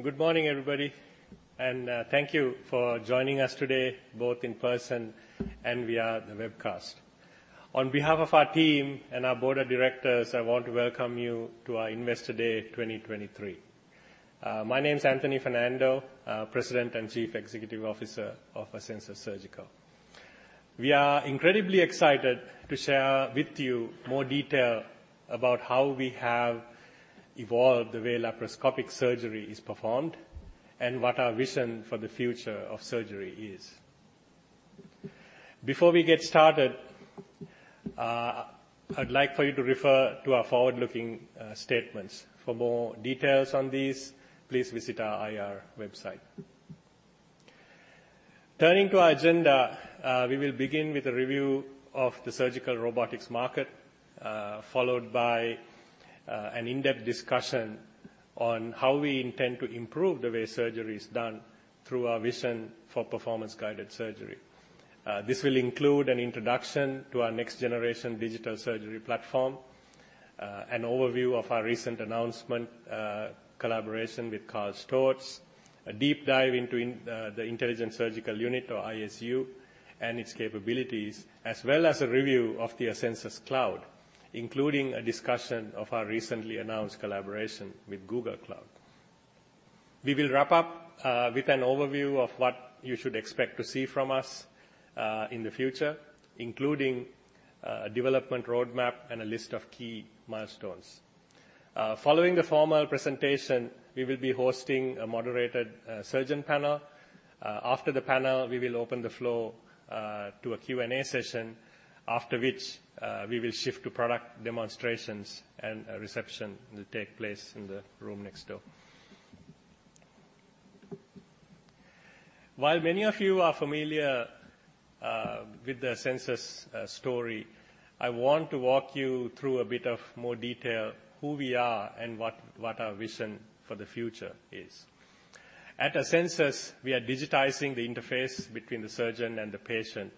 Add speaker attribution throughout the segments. Speaker 1: Good morning, everybody, and thank you for joining us today, both in person and via the webcast. On behalf of our team and our board of directors, I want to welcome you to our Investor Day 2023. My name's Anthony Fernando, President and Chief Executive Officer of Asensus Surgical. We are incredibly excited to share with you more detail about how we have evolved the way laparoscopic surgery is performed and what our vision for the future of surgery is. Before we get started, I'd like for you to refer to our forward-looking statements. For more details on these, please visit our IR website. Turning to our agenda, we will begin with a review of the surgical robotics market, followed by an in-depth discussion on how we intend to improve the way surgery is done through our vision for Performance-Guided Surgery. This will include an introduction to our next generation digital surgery platform, an overview of our recent announcement, collaboration with KARL STORZ. A deep dive into the Intelligent Surgical Unit or ISU and its capabilities, as well as a review of the Asensus Cloud, including a discussion of our recently announced collaboration with Google Cloud. We will wrap up with an overview of what you should expect to see from us in the future, including development roadmap and a list of key milestones. Following the formal presentation, we will be hosting a moderated surgeon panel. After the panel, we will open the floor to a Q&A session after which, we will shift to product demonstrations and a reception will take place in the room next door. While many of you are familiar with the Asensus story, I want to walk you through a bit of more detail who we are and what our vision for the future is. At Asensus, we are digitizing the interface between the surgeon and the patient.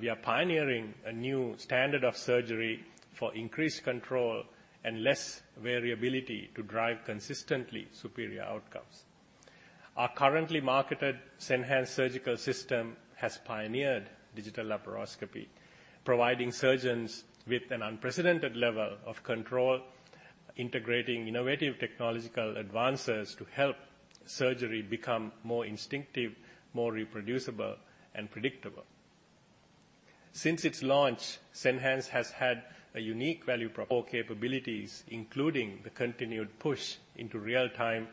Speaker 1: We are pioneering a new standard of surgery for increased control and less variability to drive consistently superior outcomes. Our currently marketed Senhance Surgical System has pioneered Digital Laparoscopy, providing surgeons with an unprecedented level of control, integrating innovative technological advances to help surgery become more instinctive, more reproducible and predictable. Since its launch, Senhance has had a unique value prop... core capabilities, including the continued push into real-time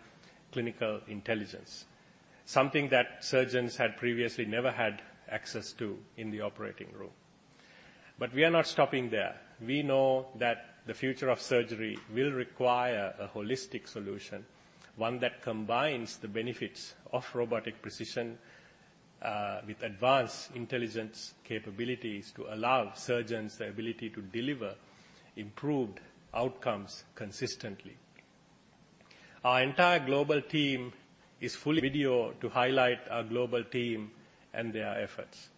Speaker 1: clinical intelligence, something that surgeons had previously never had access to in the operating room. We are not stopping there. We know that the future of surgery will require a holistic solution, one that combines the benefits of robotic precision with advanced intelligence capabilities to allow surgeons the ability to deliver improved outcomes consistently. Our entire global team is fully... video to highlight our global team and their efforts.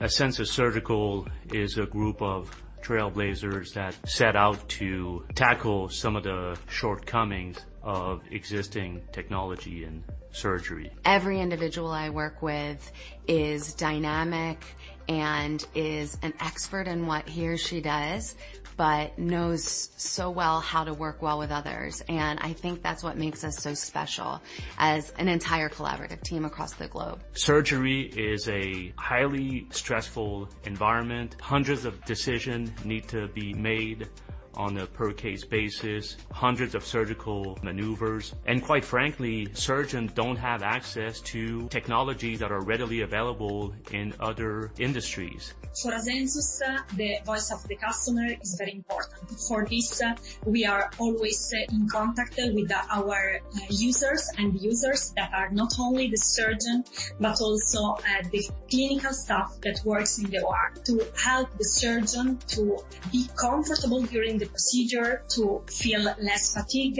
Speaker 2: Asensus Surgical is a group of trailblazers that set out to tackle some of the shortcomings of existing technology in surgery. Every individual I work with is dynamic and is an expert in what he or she does, but knows so well how to work well with others. I think that's what makes us so special as an entire collaborative team across the globe. Surgery is a highly stressful environment. Hundreds of decision need to be made on a per case basis, hundreds of surgical maneuvers. Quite frankly, surgeons don't have access to technologies that are readily available in other industries. For Asensus, the voice of the customer is very important. For this, we are always in contact with our users and users that are not only the surgeon but also the clinical staff that works in the OR to help the surgeon to be comfortable during the procedure, to feel less fatigue,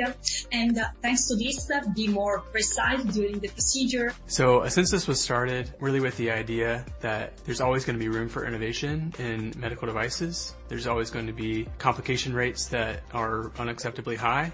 Speaker 2: and thanks to this, be more precise during the procedure. Asensus was started really with the idea that there's always going to be room for innovation in medical devices. There's always going to be complication rates that are unacceptably high.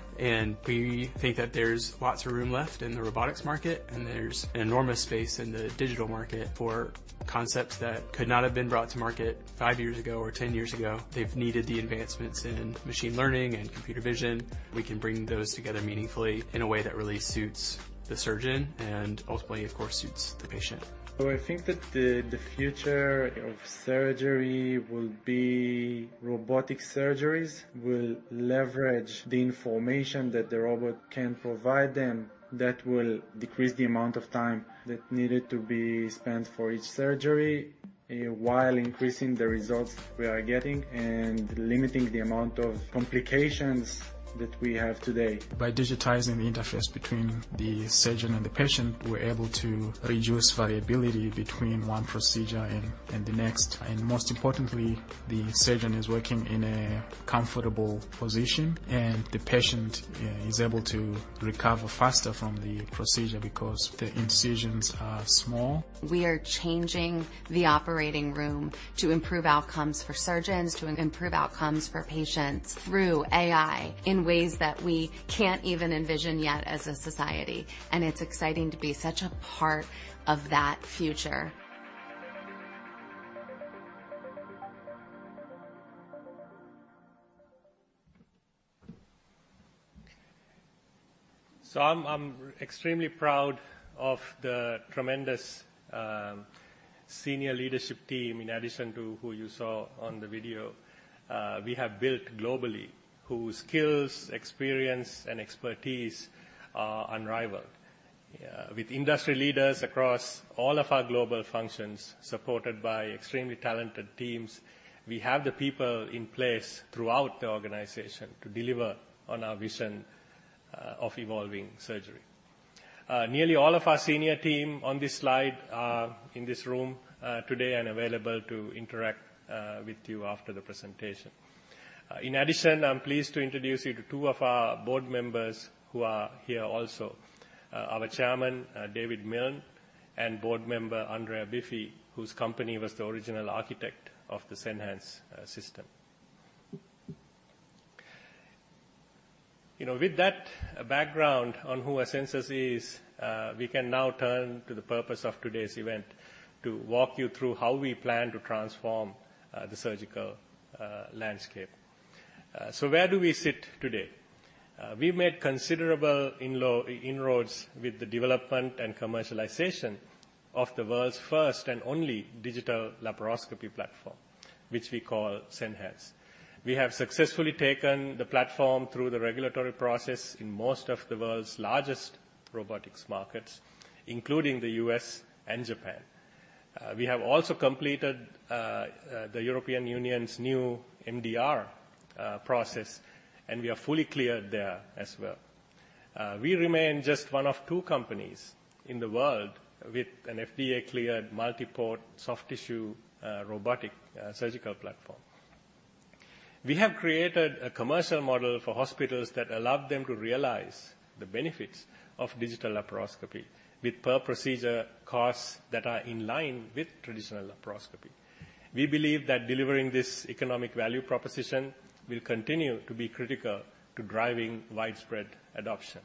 Speaker 2: We think that there's lots of room left in the robotics market, and there's an enormous space in the digital market for concepts that could not have been brought to market five years ago or 10 years ago. They've needed the advancements in machine learning and computer vision. We can bring those together meaningfully in a way that really suits the surgeon and ultimately, of course, suits the patient. I think that the future of surgery will be robotic surgeries, will leverage the information that the robot can provide them that will decrease the amount of time that needed to be spent for each surgery while increasing the results we are getting and limiting the amount of complications that we have today. By digitizing the interface between the surgeon and the patient, we're able to reduce variability between one procedure and the next. Most importantly, the surgeon is working in a comfortable position, and the patient is able to recover faster from the procedure because the incisions are small. We are changing the operating room to improve outcomes for surgeons, to improve outcomes for patients through AI in ways that we can't even envision yet as a society, and it's exciting to be such a part of that future.
Speaker 1: I'm extremely proud of the tremendous senior leadership team, in addition to who you saw on the video, we have built globally, whose skills, experience, and expertise are unrivaled. With industry leaders across all of our global functions supported by extremely talented teams, we have the people in place throughout the organization to deliver on our vision of evolving surgery. Nearly all of our senior team on this slide are in this room today and available to interact with you after the presentation. In addition, I'm pleased to introduce you to two of our Board Members who are here also, our Chairman, David Milne, and Board Member, Andrea Biffi, whose company was the original architect of the Senhance system. You know, with that background on who Asensus is, we can now turn to the purpose of today's event to walk you through how we plan to transform the surgical landscape. Where do we sit today? We've made considerable inroads with the development and commercialization of the world's first and only digital laparoscopy platform, which we call Senhance. We have successfully taken the platform through the regulatory process in most of the world's largest robotics markets, including the U.S. and Japan. We have also completed the European Union's new MDR process, and we are fully cleared there as well. We remain just one of two companies in the world with an FDA-cleared multi-port soft tissue robotic surgical platform. We have created a commercial model for hospitals that allow them to realize the benefits of digital laparoscopy with per-procedure costs that are in line with traditional laparoscopy. We believe that delivering this economic value proposition will continue to be critical to driving widespread adoption.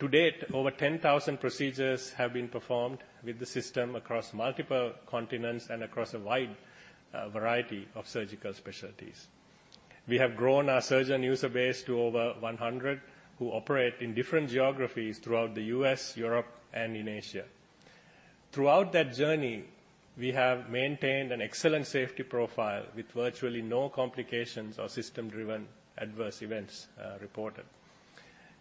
Speaker 1: To date, over 10,000 procedures have been performed with the system across multiple continents and across a wide variety of surgical specialties. We have grown our surgeon user base to over 100, who operate in different geographies throughout the U.S., Europe, and in Asia. Throughout that journey, we have maintained an excellent safety profile with virtually no complications or system-driven adverse events reported.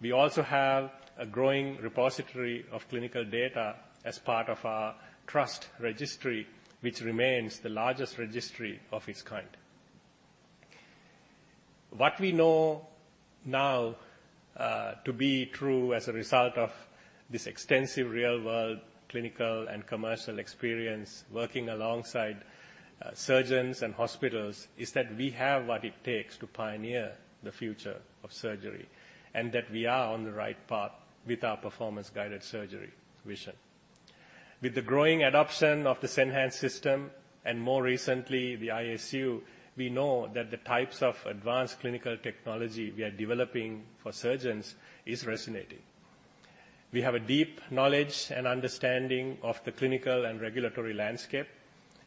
Speaker 1: We also have a growing repository of clinical data as part of our TRUST registry, which remains the largest registry of its kind. What we know now to be true as a result of this extensive real-world clinical and commercial experience working alongside surgeons and hospitals, is that we have what it takes to pioneer the future of surgery, and that we are on the right path with our Performance-Guided Surgery vision. With the growing adoption of the Senhance system, and more recently the ISU, we know that the types of advanced clinical technology we are developing for surgeons is resonating. We have a deep knowledge and understanding of the clinical and regulatory landscape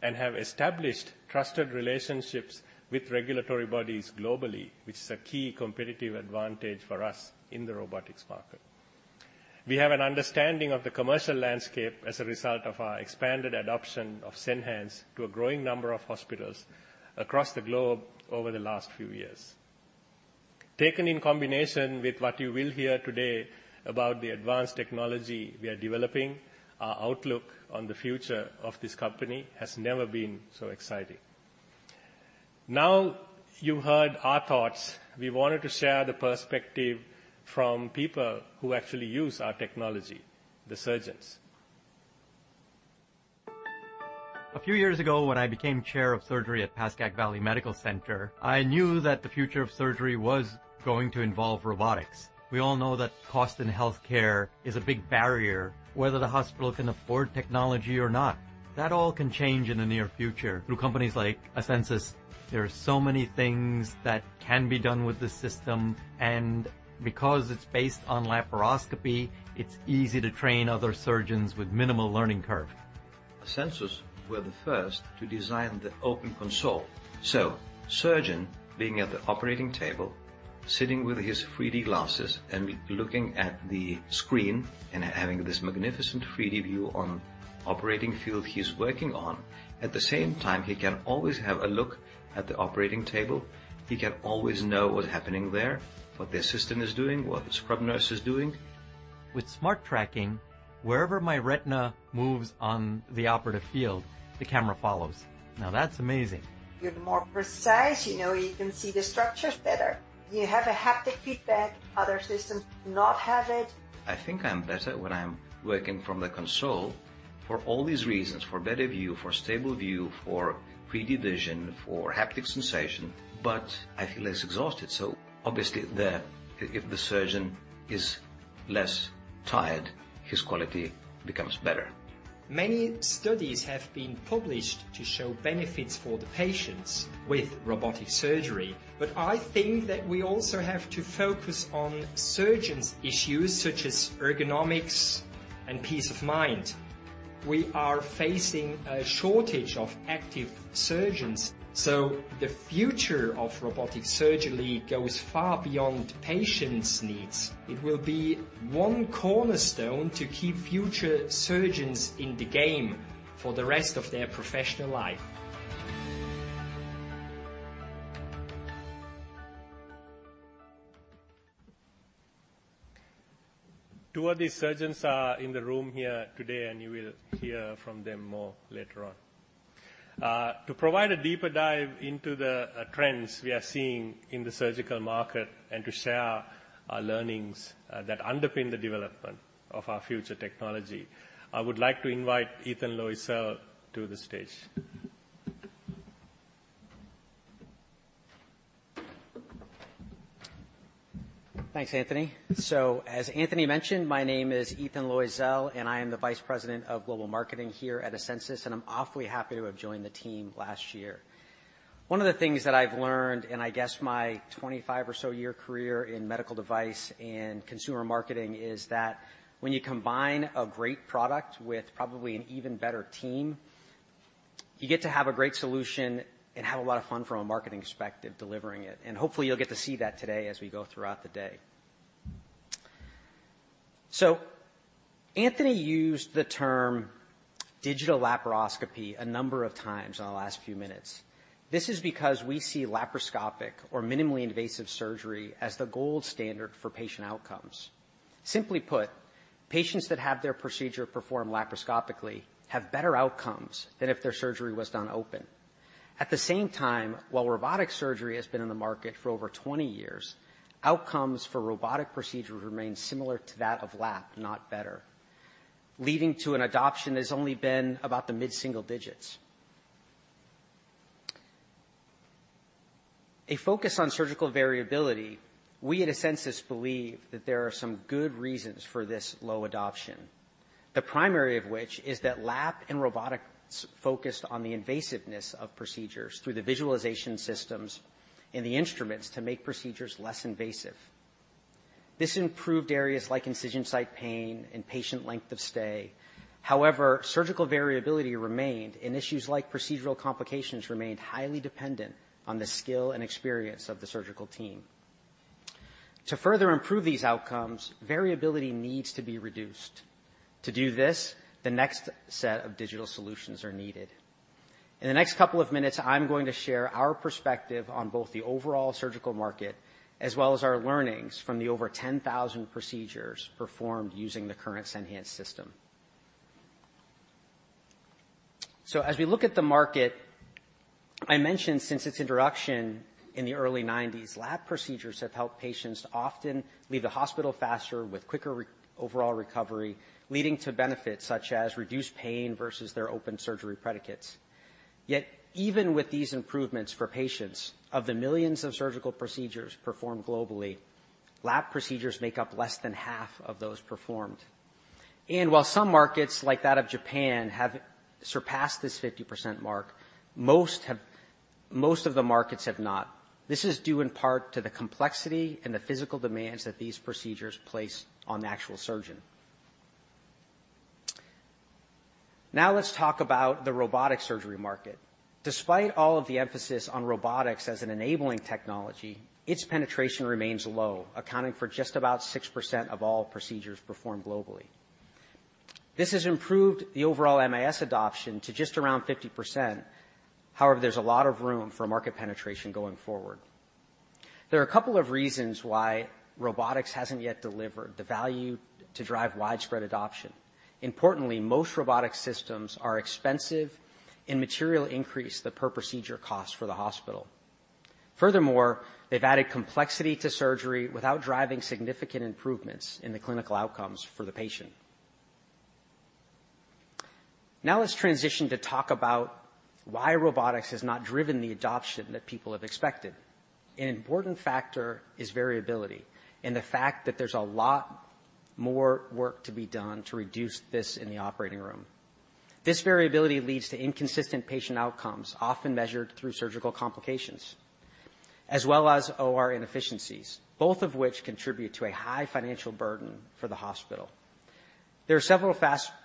Speaker 1: and have established trusted relationships with regulatory bodies globally, which is a key competitive advantage for us in the robotics market. We have an understanding of the commercial landscape as a result of our expanded adoption of Senhance to a growing number of hospitals across the globe over the last few years. Taken in combination with what you will hear today about the advanced technology we are developing, our outlook on the future of this company has never been so exciting. You heard our thoughts. We wanted to share the perspective from people who actually use our technology, the surgeons.
Speaker 2: A few years ago, when I became chair of surgery at Pascack Valley Medical Center, I knew that the future of surgery was going to involve robotics. We all know that cost in healthcare is a big barrier, whether the hospital can afford technology or not. That all can change in the near future through companies like Asensus. There are so many things that can be done with this system, and because it's based on laparoscopy, it's easy to train other surgeons with minimal learning curve. Asensus were the first to design the open console. Surgeon being at the operating table, sitting with his 3D glasses, and looking at the screen, and having this magnificent 3D view on operating field he's working on. At the same time, he can always have a look at the operating table. He can always know what's happening there, what the assistant is doing, what the scrub nurse is doing. With Smart Tracking, wherever my retina moves on the operative field, the camera follows. That's amazing. You're more precise. You know, you can see the structures better. You have a haptic feedback. Other systems do not have it. I think I'm better when I'm working from the console for all these reasons, for better view, for stable view, for 3D vision, for haptic sensation. I feel less exhausted. Obviously, if the surgeon is less tired, his quality becomes better. Many studies have been published to show benefits for the patients with robotic surgery. I think that we also have to focus on surgeons' issues such as ergonomics and peace of mind. We are facing a shortage of active surgeons. The future of robotic surgery goes far beyond patients' needs. It will be one cornerstone to keep future surgeons in the game for the rest of their professional life.
Speaker 1: Two of these surgeons are in the room here today. You will hear from them more later on. To provide a deeper dive into the trends we are seeing in the surgical market and to share our learnings that underpin the development of our future technology, I would like to invite Ethan Loiselle to the stage.
Speaker 3: Thanks, Anthony. As Anthony mentioned, my name is Ethan Loiselle, and I am the Vice President of Global Marketing here at Asensus, and I'm awfully happy to have joined the team last year. One of the things that I've learned in I guess my 25 or so year career in medical device and consumer marketing is that when you combine a great product with probably an even better team, you get to have a great solution and have a lot of fun from a marketing perspective delivering it. Hopefully you'll get to see that today as we go throughout the day. Anthony used the term digital laparoscopy a number of times in the last few minutes. This is because we see laparoscopic or minimally invasive surgery as the gold standard for patient outcomes. Simply put, patients that have their procedure performed laparoscopically have better outcomes than if their surgery was done open. The same time, while robotic surgery has been in the market for over 20 years, outcomes for robotic procedures remain similar to that of lap, not better. Leading to an adoption that's only been about the mid-single digits. A focus on surgical variability, we at Asensus believe that there are some good reasons for this low adoption. The primary of which is that lap and robotics focused on the invasiveness of procedures through the visualization systems and the instruments to make procedures less invasive. This improved areas like incision site pain and patient length of stay. Surgical variability remained, and issues like procedural complications remained highly dependent on the skill and experience of the surgical team. To further improve these outcomes, variability needs to be reduced. To do this, the next set of digital solutions are needed. In the next couple of minutes, I'm going to share our perspective on both the overall surgical market as well as our learnings from the over 10,000 procedures performed using the current Senhance system. As we look at the market, I mentioned since its introduction in the early nineties, lap procedures have helped patients to often leave the hospital faster with quicker overall recovery, leading to benefits such as reduced pain versus their open surgery predicates. Yet even with these improvements for patients, of the millions of surgical procedures performed globally, lap procedures make up less than half of those performed. While some markets like that of Japan have surpassed this 50% mark, most of the markets have not. This is due in part to the complexity and the physical demands that these procedures place on the actual surgeon. Let's talk about the robotic surgery market. Despite all of the emphasis on robotics as an enabling technology, its penetration remains low, accounting for just about 6% of all procedures performed globally. This has improved the overall MAS adoption to just around 50%. There's a lot of room for market penetration going forward. There are a couple of reasons why robotics hasn't yet delivered the value to drive widespread adoption. Importantly, most robotic systems are expensive and materially increase the per procedure cost for the hospital. Furthermore, they've added complexity to surgery without driving significant improvements in the clinical outcomes for the patient. Let's transition to talk about why robotics has not driven the adoption that people have expected. An important factor is variability and the fact that there's a lot more work to be done to reduce this in the operating room. This variability leads to inconsistent patient outcomes, often measured through surgical complications, as well as OR inefficiencies, both of which contribute to a high financial burden for the hospital. There are several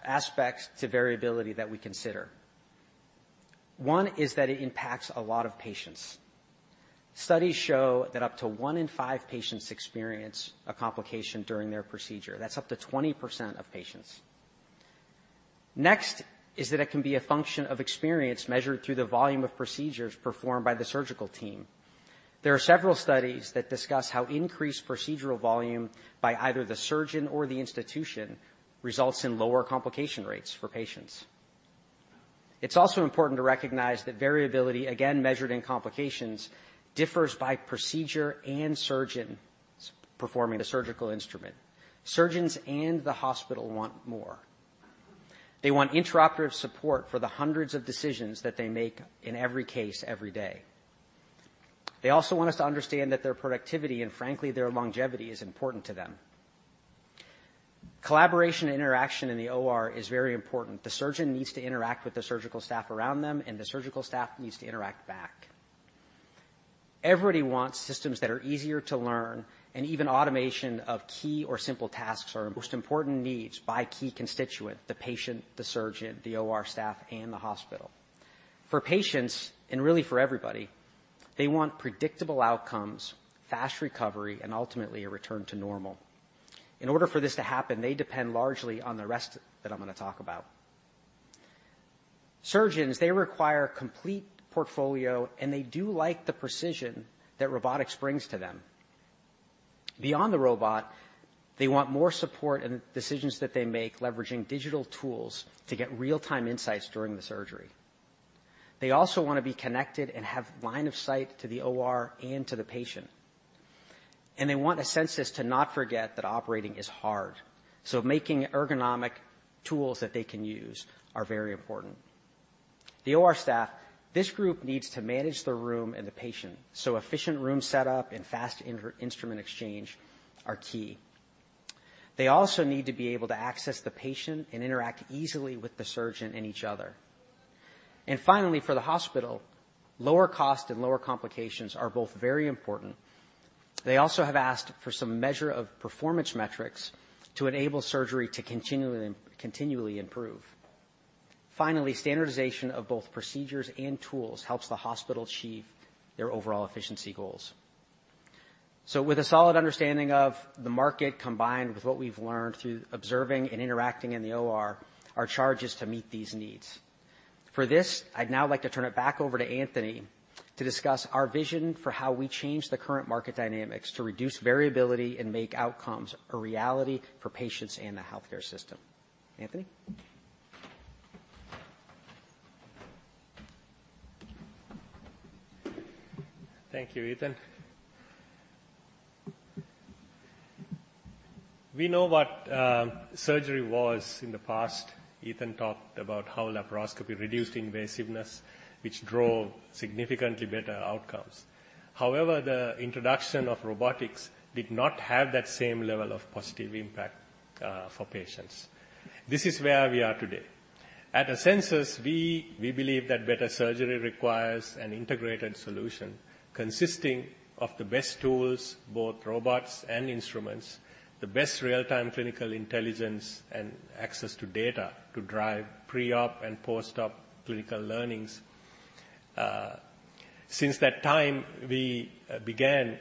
Speaker 3: aspects to variability that we consider. One is that it impacts a lot of patients. Studies show that up to one in five patients experience a complication during their procedure. That's up to 20% of patients. Next is that it can be a function of experience measured through the volume of procedures performed by the surgical team. There are several studies that discuss how increased procedural volume by either the surgeon or the institution results in lower complication rates for patients. It's also important to recognize that variability, again, measured in complications, differs by procedure and surgeons performing a surgical instrument. Surgeons and the hospital want more. They want intraoperative support for the hundreds of decisions that they make in every case every day. They also want us to understand that their productivity and frankly, their longevity is important to them. Collaboration and interaction in the OR is very important. The surgeon needs to interact with the surgical staff around them, and the surgical staff needs to interact back. Everybody wants systems that are easier to learn, and even automation of key or simple tasks are most important needs by key constituent: the patient, the surgeon, the OR staff, and the hospital. For patients, and really for everybody, they want predictable outcomes, fast recovery, and ultimately a return to normal. In order for this to happen, they depend largely on the rest that I'm gonna talk about. Surgeons, they require complete portfolio, and they do like the precision that robotics brings to them. Beyond the robot, they want more support in decisions that they make, leveraging digital tools to get real-time insights during the surgery. They also wanna be connected and have line of sight to the OR and to the patient, and they want Asensus to not forget that operating is hard. Making ergonomic tools that they can use are very important. The OR staff, this group needs to manage the room and the patient, so efficient room setup and fast instrument exchange are key. They also need to be able to access the patient and interact easily with the surgeon and each other. Finally, for the hospital, lower cost and lower complications are both very important. They also have asked for some measure of performance metrics to enable surgery to continually improve. Finally, standardization of both procedures and tools helps the hospital achieve their overall efficiency goals. With a solid understanding of the market, combined with what we've learned through observing and interacting in the OR, our charge is to meet these needs. For this, I'd now like to turn it back over to Anthony to discuss our vision for how we change the current market dynamics to reduce variability and make outcomes a reality for patients and the healthcare system. Anthony?
Speaker 1: Thank you, Ethan. We know what surgery was in the past. Ethan talked about how laparoscopy reduced invasiveness, which drove significantly better outcomes. However, the introduction of robotics did not have that same level of positive impact for patients. This is where we are today. At Asensus, we believe that better surgery requires an integrated solution consisting of the best tools, both robots and instruments, the best real-time clinical intelligence, and access to data to drive pre-op and post-op clinical learnings. Since that time we began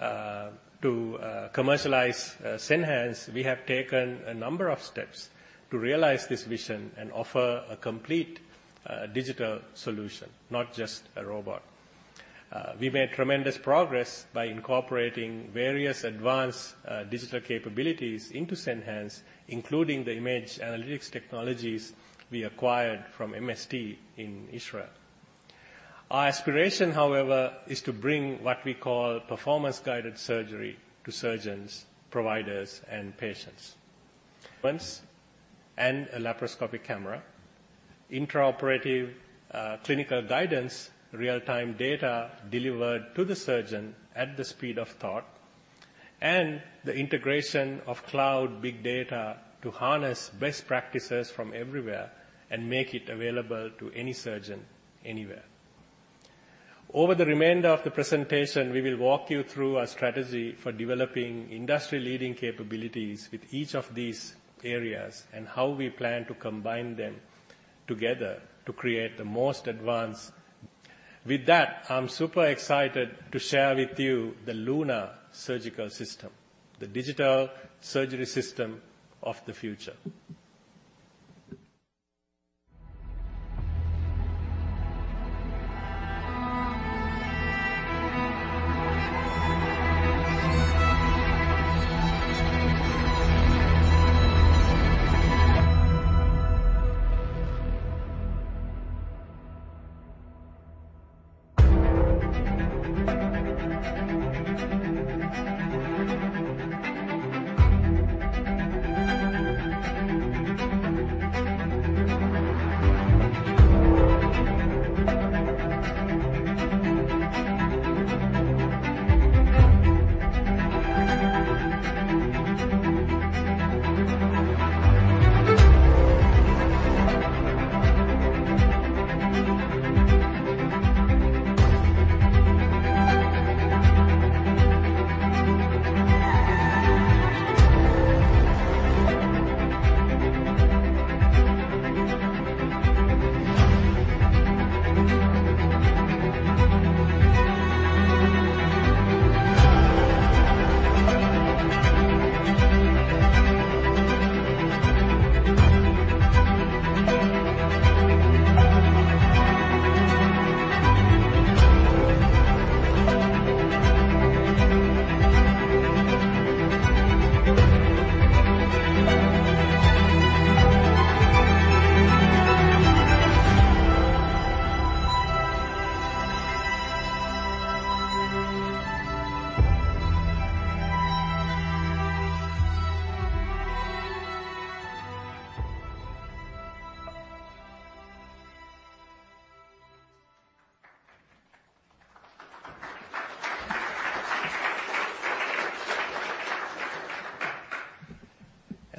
Speaker 1: to commercialize Senhance, we have taken a number of steps to realize this vision and offer a complete digital solution, not just a robot. We made tremendous progress by incorporating various advanced digital capabilities into Senhance, including the image analytics technologies we acquired from MST in Israel. Our aspiration, however, is to bring what we call Performance-Guided Surgery to surgeons, providers, and patients. A laparoscopic camera, intraoperative clinical guidance, real-time data delivered to the surgeon at the speed of thought, and the integration of cloud big data to harness best practices from everywhere and make it available to any surgeon anywhere. Over the remainder of the presentation, we will walk you through our strategy for developing industry leading capabilities with each of these areas and how we plan to combine them together to create the most advanced. With that, I'm super excited to share with you the LUNA Surgical System, the digital surgery system of the future.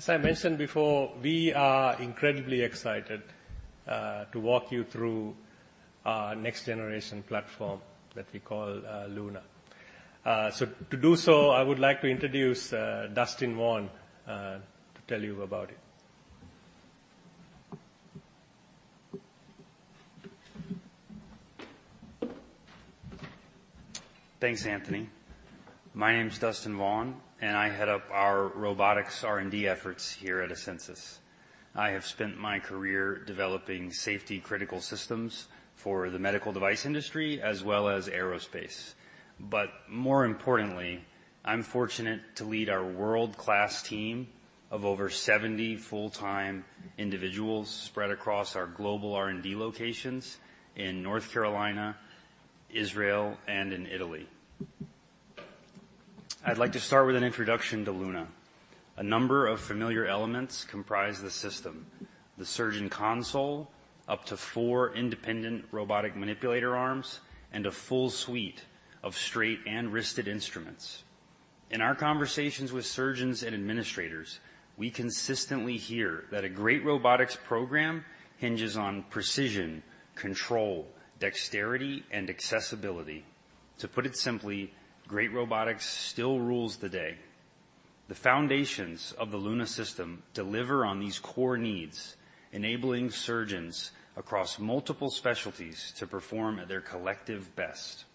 Speaker 1: As I mentioned before, we are incredibly excited to walk you through our next generation platform that we call LUNA. To do so, I would like to introduce Dustin Vaughan to tell you about it.
Speaker 4: Thanks, Anthony. My name's Dustin Vaughan. I head up our robotics R&D efforts here at Asensus Surgical. I have spent my career developing safety-critical systems for the medical device industry as well as aerospace. More importantly, I'm fortunate to lead our world-class team of over 70 full-time individuals spread across our global R&D locations in North Carolina, Israel, and in Italy. I'd like to start with an introduction to LUNA. A number of familiar elements comprise the system: the surgeon console, up to 4 independent robotic manipulator arms, and a full suite of straight and wristed instruments. In our conversations with surgeons and administrators, we consistently hear that a great robotics program hinges on precision, control, dexterity, and accessibility. To put it simply, great robotics still rules the day. The foundations of the LUNA Surgical System deliver on these core needs, enabling surgeons across multiple specialties to perform at their collective best.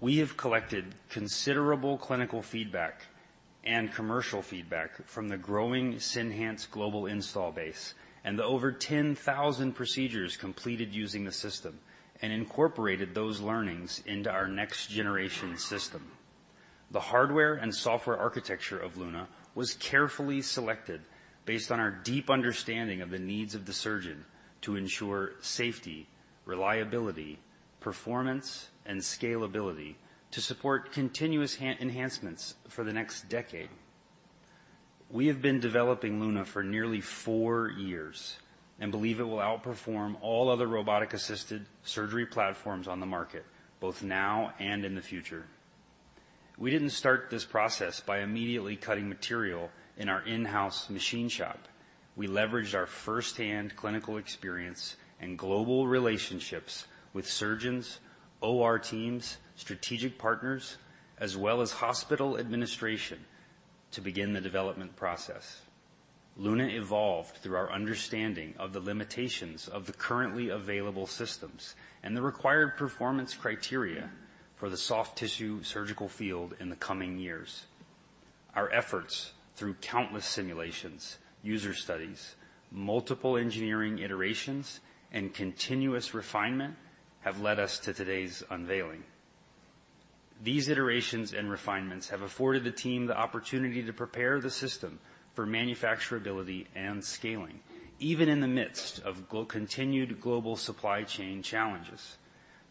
Speaker 4: We have collected considerable clinical feedback and commercial feedback from the growing Senhance global install base and the over 10,000 procedures completed using the system, and incorporated those learnings into our next generation system. The hardware and software architecture of LUNA was carefully selected based on our deep understanding of the needs of the surgeon to ensure safety, reliability, performance, and scalability to support continuous enhancements for the next decade. We have been developing LUNA for nearly four years and believe it will outperform all other robotic-assisted surgery platforms on the market, both now and in the future. We didn't start this process by immediately cutting material in our in-house machine shop. We leveraged our firsthand clinical experience and global relationships with surgeons, OR teams, strategic partners, as well as hospital administration to begin the development process. LUNA evolved through our understanding of the limitations of the currently available systems and the required performance criteria for the soft tissue surgical field in the coming years. Our efforts through countless simulations, user studies, multiple engineering iterations, and continuous refinement have led us to today's unveiling. These iterations and refinements have afforded the team the opportunity to prepare the system for manufacturability and scaling, even in the midst of continued global supply chain challenges.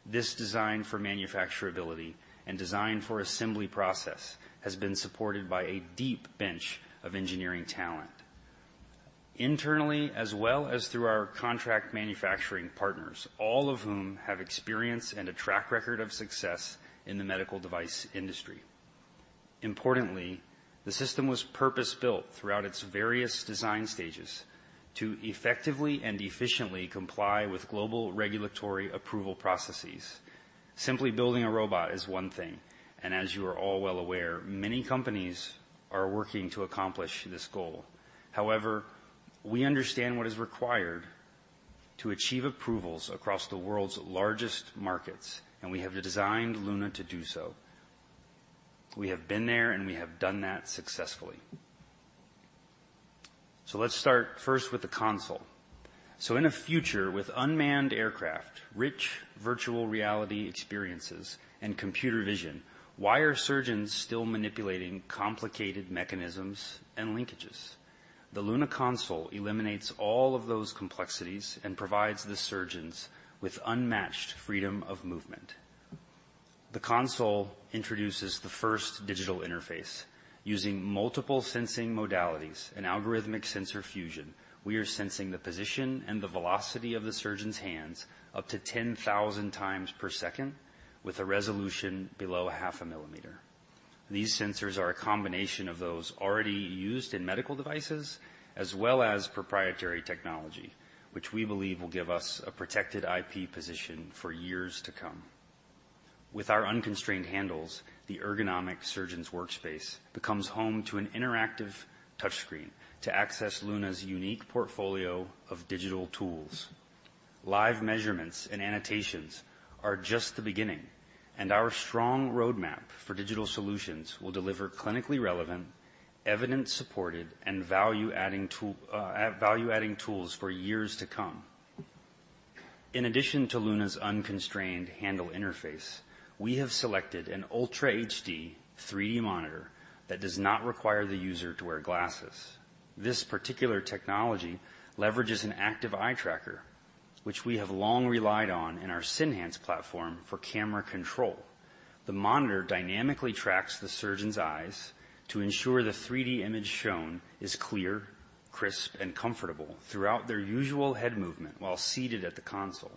Speaker 4: This design for manufacturability and design for assembly process has been supported by a deep bench of engineering talent. Internally, as well as through our contract manufacturing partners, all of whom have experience and a track record of success in the medical device industry. Importantly, the system was purpose-built throughout its various design stages to effectively and efficiently comply with global regulatory approval processes. Simply building a robot is one thing, and as you are all well aware, many companies are working to accomplish this goal. However, we understand what is required to achieve approvals across the world's largest markets, and we have designed LUNA to do so. We have been there, and we have done that successfully. Let's start first with the console. In a future with unmanned aircraft, rich virtual reality experiences, and computer vision, why are surgeons still manipulating complicated mechanisms and linkages? The LUNA console eliminates all of those complexities and provides the surgeons with unmatched freedom of movement. The console introduces the first digital interface using multiple sensing modalities and algorithmic sensor fusion. We are sensing the position and the velocity of the surgeon's hands up to 10,000 times per second with a resolution below half a millimeter. These sensors are a combination of those already used in medical devices, as well as proprietary technology, which we believe will give us a protected IP position for years to come. With our unconstrained handles, the ergonomic surgeon's workspace becomes home to an interactive touchscreen to access LUNA's unique portfolio of digital tools. Live measurements and annotations are just the beginning. Our strong roadmap for digital solutions will deliver clinically relevant, evidence-supported, and value-adding tools for years to come. In addition to LUNA's unconstrained handle interface, we have selected an ultra HD 3D monitor that does not require the user to wear glasses. This particular technology leverages an active eye tracker, which we have long relied on in our Senhance platform for camera control. The monitor dynamically tracks the surgeon's eyes to ensure the 3D image shown is clear, crisp, and comfortable throughout their usual head movement while seated at the console.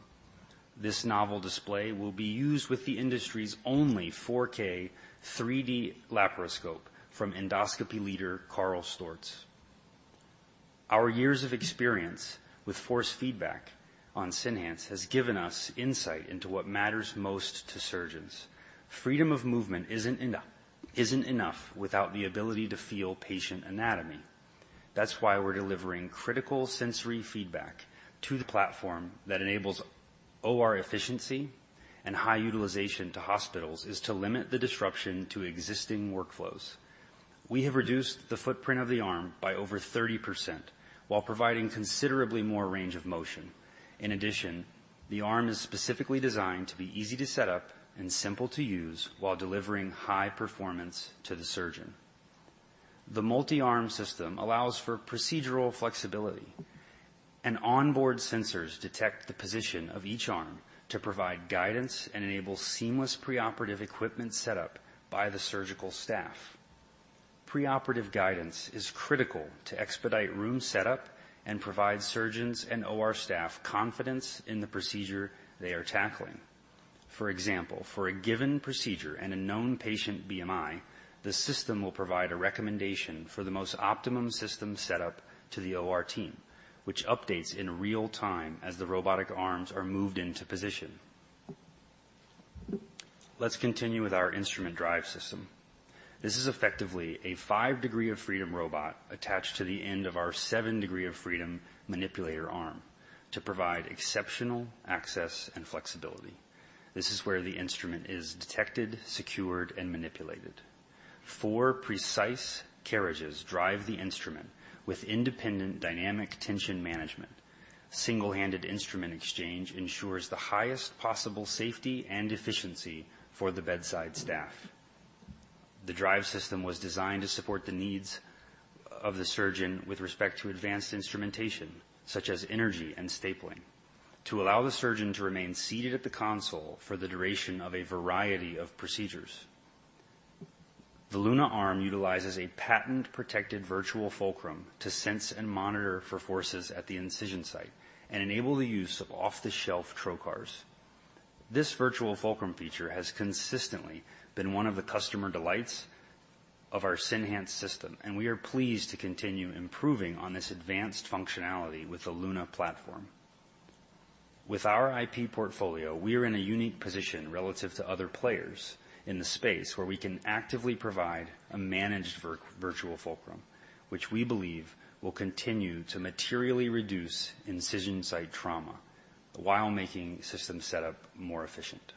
Speaker 4: This novel display will be used with the industry's only 4K 3D laparoscope from endoscopy leader KARL STORZ. Our years of experience with force feedback on Senhance has given us insight into what matters most to surgeons. Freedom of movement isn't enough without the ability to feel patient anatomy. That's why we're delivering critical sensory feedback to the platform that enables OR efficiency and high utilization to hospitals is to limit the disruption to existing workflows. We have reduced the footprint of the arm by over 30% while providing considerably more range of motion. In addition, the arm is specifically designed to be easy to set up and simple to use while delivering high performance to the surgeon. The multi-arm system allows for procedural flexibility. Onboard sensors detect the position of each arm to provide guidance and enable seamless preoperative equipment setup by the surgical staff. Preoperative guidance is critical to expedite room setup and provide surgeons and OR staff confidence in the procedure they are tackling. For example, for a given procedure and a known patient BMI, the system will provide a recommendation for the most optimum system setup to the OR team, which updates in real time as the robotic arms are moved into position. Let's continue with our instrument drive system. This is effectively a five degree of freedom robot attached to the end of our seven degree of freedom manipulator arm to provide exceptional access and flexibility. This is where the instrument is detected, secured, and manipulated. 4 precise carriages drive the instrument with independent dynamic tension management. Single-handed instrument exchange ensures the highest possible safety and efficiency for the bedside staff. The drive system was designed to support the needs of the surgeon with respect to advanced instrumentation, such as energy and stapling, to allow the surgeon to remain seated at the console for the duration of a variety of procedures. The LUNA Arm utilizes a patent-protected virtual fulcrum to sense and monitor for forces at the incision site and enable the use of off-the-shelf trocars. This virtual fulcrum feature has consistently been one of the customer delights of our Senhance system, and we are pleased to continue improving on this advanced functionality with the LUNA platform. With our IP portfolio, we are in a unique position relative to other players in the space where we can actively provide a managed virtual fulcrum, which we believe will continue to materially reduce incision site trauma while making system setup more efficient.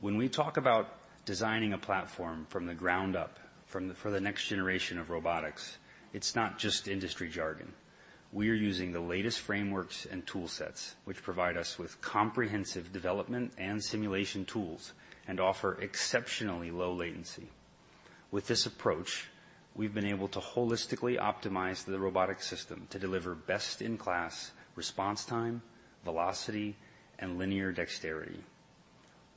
Speaker 4: When we talk about designing a platform from the ground up for the next generation of robotics, it's not just industry jargon. We are using the latest frameworks and toolsets which provide us with comprehensive development and simulation tools and offer exceptionally low latency. With this approach, we've been able to holistically optimize the robotic system to deliver best in class response time, velocity, and linear dexterity.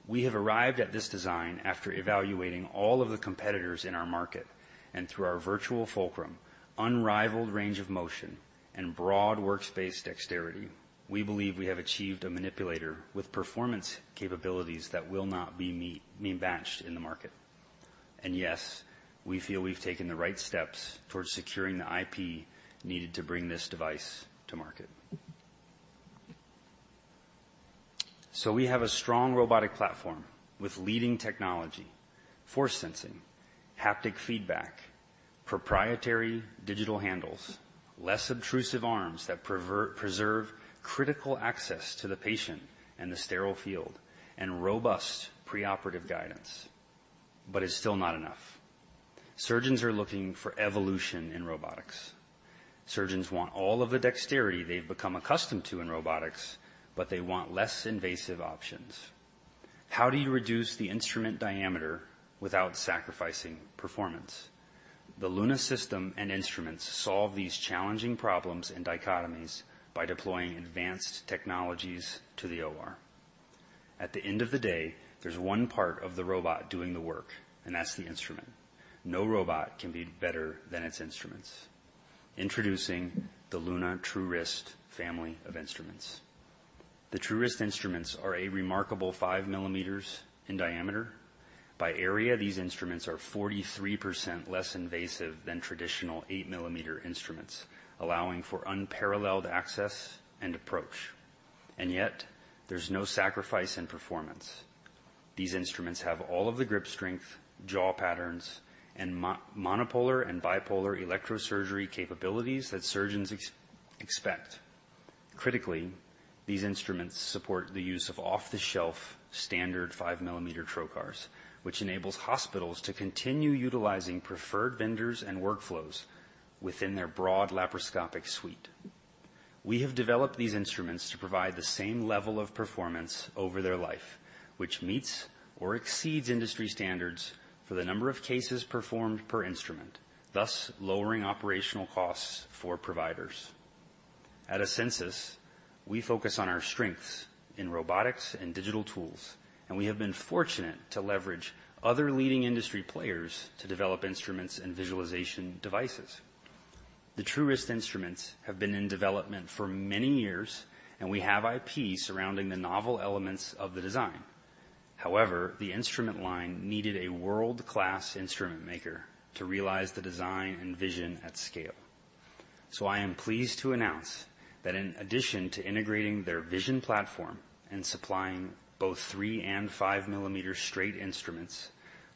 Speaker 4: We have arrived at this design after evaluating all of the competitors in our market and through our virtual fulcrum, unrivaled range of motion, and broad workspace dexterity, we believe we have achieved a manipulator with performance capabilities that will not be matched in the market. Yes, we feel we've taken the right steps towards securing the IP needed to bring this device to market. We have a strong robotic platform with leading technology, force sensing, haptic feedback, proprietary digital handles, less obtrusive arms that preserve critical access to the patient and the sterile field, and robust preoperative guidance. It's still not enough. Surgeons are looking for evolution in robotics. Surgeons want all of the dexterity they've become accustomed to in robotics. They want less invasive options. How do you reduce the instrument diameter without sacrificing performance? The LUNA system and instruments solve these challenging problems and dichotomies by deploying advanced technologies to the OR. At the end of the day, there's one part of the robot doing the work, and that's the instrument. No robot can be better than its instruments. Introducing the LUNA TrueWrist family of instruments. The TrueWrist instruments are a remarkable 5 MM in diameter. By area, these instruments are 43% less invasive than traditional 8 MM instruments, allowing for unparalleled access and approach, and yet there's no sacrifice in performance. These instruments have all of the grip strength, jaw patterns, and monopolar and bipolar electrosurgery capabilities that surgeons expect. Critically, these instruments support the use of off-the-shelf standard 5 MM trocars, which enables hospitals to continue utilizing preferred vendors and workflows within their broad laparoscopic suite. We have developed these instruments to provide the same level of performance over their life, which meets or exceeds industry standards for the number of cases performed per instrument, thus lowering operational costs for providers. At Asensus, we focus on our strengths in robotics and digital tools, we have been fortunate to leverage other leading industry players to develop instruments and visualization devices. The TrueWrist instruments have been in development for many years, we have IP surrounding the novel elements of the design. However, the instrument line needed a world-class instrument maker to realize the design and vision at scale. I am pleased to announce that in addition to integrating their vision platform and supplying both three and 5 MM straight instruments,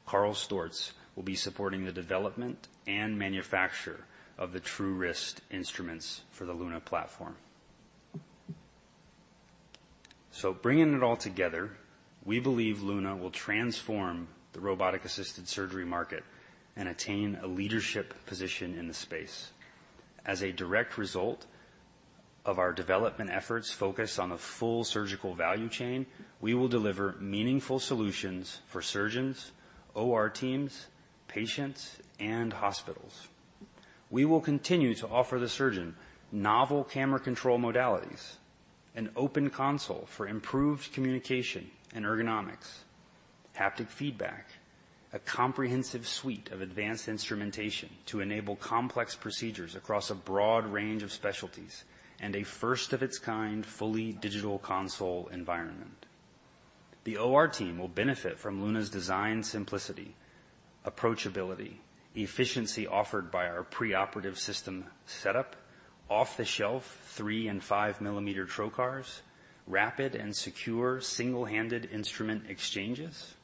Speaker 4: KARL STORZ will be supporting the development and manufacture of the TrueWrist instruments for the LUNA platform. Bringing it all together, we believe LUNA will transform the robotic-assisted surgery market and attain a leadership position in the space. As a direct result of our development efforts focused on the full surgical value chain, we will deliver meaningful solutions for surgeons, OR teams, patients, and hospitals. We will continue to offer the surgeon novel camera control modalities, an open console for improved communication and ergonomics, haptic feedback, a comprehensive suite of advanced instrumentation to enable complex procedures across a broad range of specialties, and a first of its kind fully digital console environment. The OR team will benefit from LUNA's design simplicity, approachability, efficiency offered by our preoperative system setup, off-the-shelf three and 5 MM trocars, rapid and secure single-handed instrument exchanges.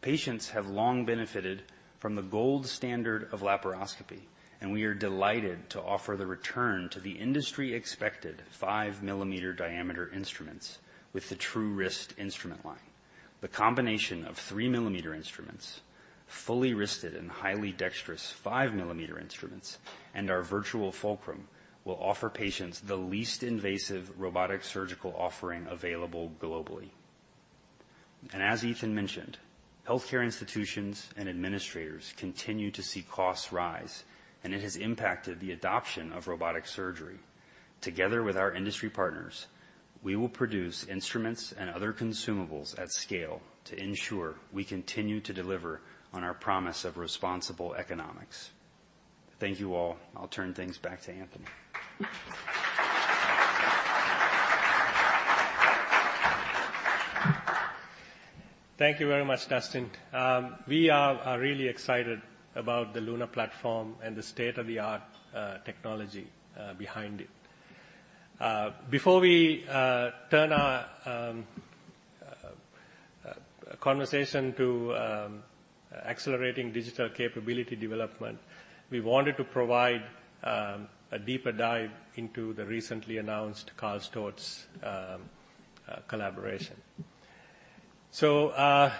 Speaker 4: Patients have long benefited from the gold standard of laparoscopy, and we are delighted to offer the return to the industry expected 5 MM diameter instruments with the TrueWrist instrument line. The combination of 3 MM instruments, fully wristed and highly dexterous 5 MM instruments, and our virtual fulcrum will offer patients the least invasive robotic surgical offering available globally. As Ethan mentioned, healthcare institutions and administrators continue to see costs rise, and it has impacted the adoption of robotic surgery. Together with our industry partners, we will produce instruments and other consumables at scale to ensure we continue to deliver on our promise of responsible economics. Thank you all. I'll turn things back to Anthony.
Speaker 1: Thank you very much, Dustin. We are really excited about the LUNA platform and the state-of-the-art technology behind it. Before we turn our conversation to accelerating digital capability development, we wanted to provide a deeper dive into the recently announced KARL STORZ collaboration. To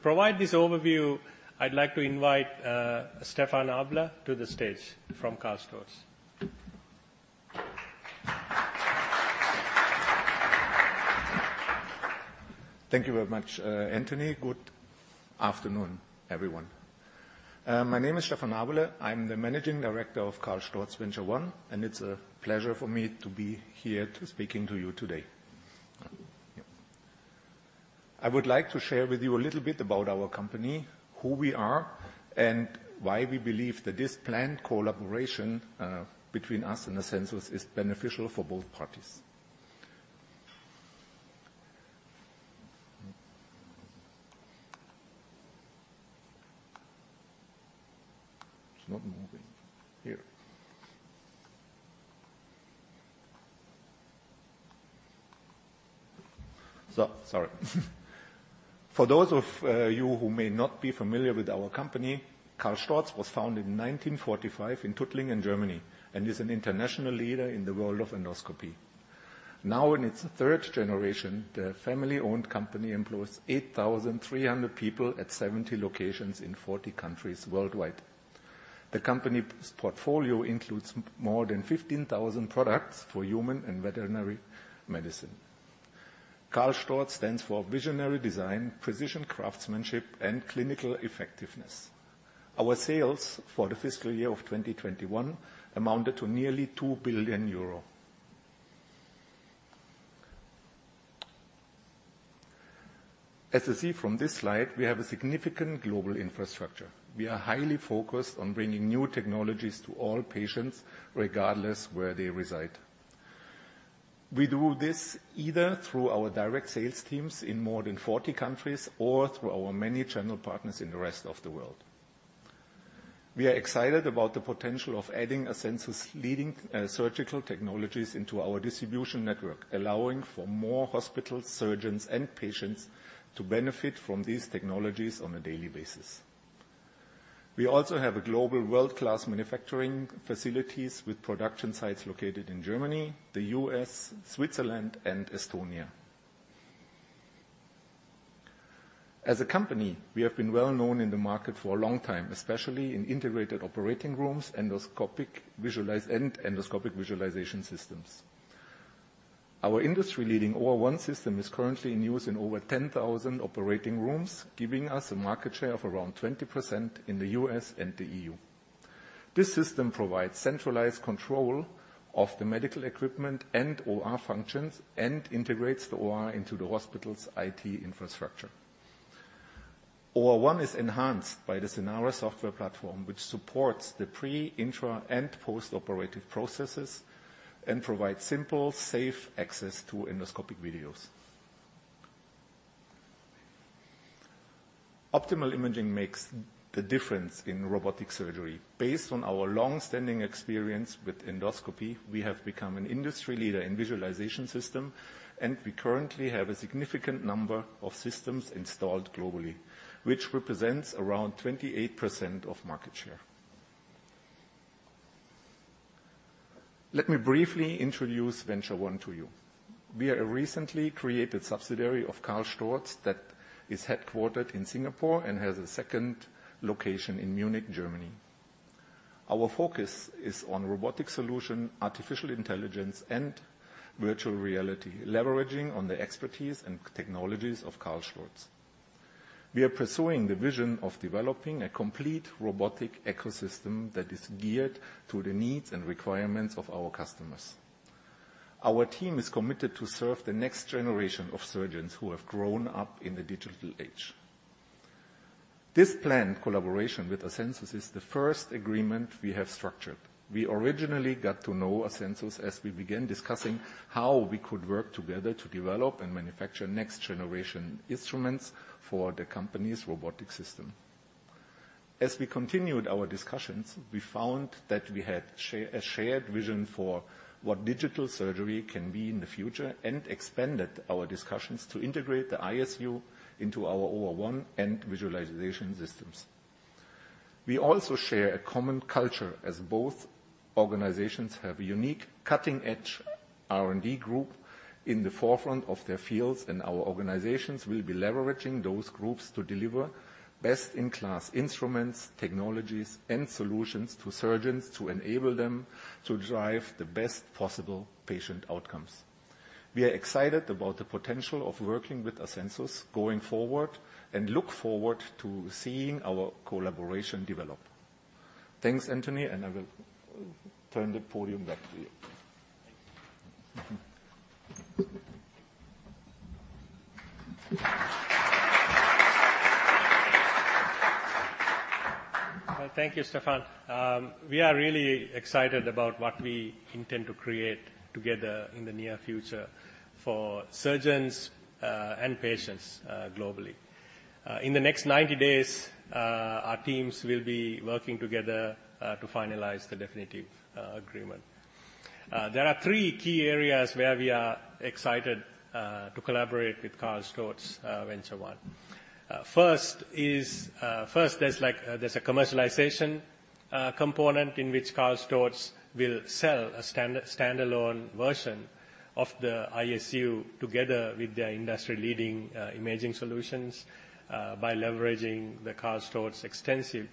Speaker 1: provide this overview, I'd like to invite Stephan Abele to the stage from KARL STORZ.
Speaker 5: Thank you very much, Anthony. Good afternoon, everyone. My name is Stephan Abele. I'm the Managing Director of KARL STORZ VentureONE, and it's a pleasure for me to be here to speaking to you today. I would like to share with you a little bit about our company, who we are, and why we believe that this planned collaboration between us and Asensus is beneficial for both parties. It's not moving. Here. Sorry. For those of you who may not be familiar with our company, Karl Storz was founded in 1945 in Tuttlingen, Germany, and is an international leader in the world of endoscopy. Now in its third generation, the family-owned company employs 8,300 people at 70 locations in 40 countries worldwide. The company's portfolio includes more than 15,000 products for human and veterinary medicine. KARL STORZ stands for visionary design, precision craftsmanship, and clinical effectiveness. Our sales for the fiscal year of 2021 amounted to nearly 2 billion euro. You see from this slide, we have a significant global infrastructure. We are highly focused on bringing new technologies to all patients, regardless where they reside. We do this either through our direct sales teams in more than 40 countries or through our many channel partners in the rest of the world. We are excited about the potential of adding Asensus leading surgical technologies into our distribution network, allowing for more hospitals, surgeons, and patients to benefit from these technologies on a daily basis. We also have a global world-class manufacturing facilities with production sites located in Germany, the U.S., Switzerland, and Estonia. As a company, we have been well-known in the market for a long time, especially in integrated operating rooms, endoscopic visualization systems. Our industry-leading OR1 System is currently in use in over 10,000 operating rooms, giving us a market share of around 20% in the U.S. and the E.U. This system provides centralized control of the medical equipment and OR functions and integrates the OR into the hospital's IT infrastructure. OR1 is enhanced by the Senhance software platform, which supports the pre, intra, and post-operative processes and provides simple, safe access to endoscopic videos. Optimal imaging makes the difference in robotic surgery. Based on our long-standing experience with endoscopy, we have become an industry leader in visualization system, we currently have a significant number of systems installed globally, which represents around 28% of market share. Let me briefly introduce VentureOne to you. We are a recently created subsidiary of KARL STORZ that is headquartered in Singapore and has a second location in Munich, Germany. Our focus is on robotic solution, artificial intelligence, and virtual reality, leveraging on the expertise and technologies of KARL STORZ. We are pursuing the vision of developing a complete robotic ecosystem that is geared to the needs and requirements of our customers. Our team is committed to serve the next generation of surgeons who have grown up in the digital age. This planned collaboration with Asensus is the first agreement we have structured. We originally got to know Asensus as we began discussing how we could work together to develop and manufacture next-generation instruments for the company's robotic system. As we continued our discussions, we found that we had a shared vision for what digital surgery can be in the future and expanded our discussions to integrate the ISU into our OR1 and visualization systems. We also share a common culture, as both organizations have a unique cutting-edge R&D group in the forefront of their fields, and our organizations will be leveraging those groups to deliver best-in-class instruments, technologies, and solutions to surgeons to enable them to drive the best possible patient outcomes. We are excited about the potential of working with Asensus going forward and look forward to seeing our collaboration develop. Thanks, Anthony, and I will turn the podium back to you.
Speaker 1: Thank you. Well, thank you, Stephan. We are really excited about what we intend to create together in the near future for surgeons and patients globally. In the next 90 days, our teams will be working together to finalize the definitive agreement. There are three key areas where we are excited to collaborate with KARL STORZ VentureONE. First is, first there's like, there's a commercialization component in which KARL STORZ will sell a standalone version of the ISU together with their industry-leading imaging solutions by leveraging the KARL STORZ extensive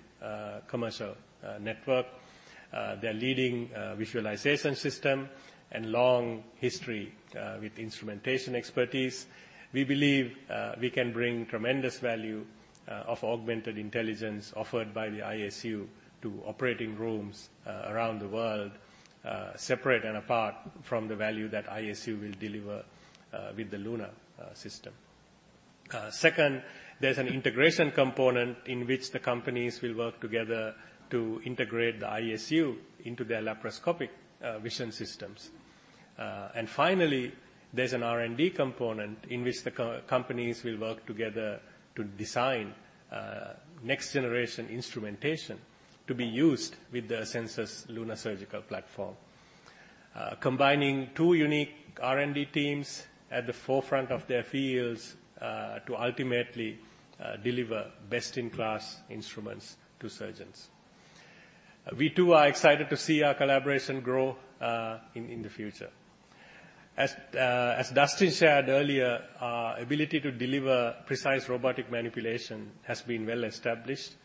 Speaker 1: commercial network, their leading visualization system and long history with instrumentation expertise. We believe we can bring tremendous value of Augmented Intelligence offered by the ISU to operating rooms around the world, separate and apart from the value that ISU will deliver with the LUNA system. Second, there's an integration component in which the companies will work together to integrate the ISU into their laparoscopic vision systems. Finally, there's an R&D component in which the co-companies will work together to design next-generation instrumentation to be used with the Asensus LUNA surgical platform. Combining two unique R&D teams at the forefront of their fields to ultimately deliver best-in-class instruments to surgeons. We too are excited to see our collaboration grow in the future. As Dustin shared earlier, our ability to deliver precise robotic manipulation has been well established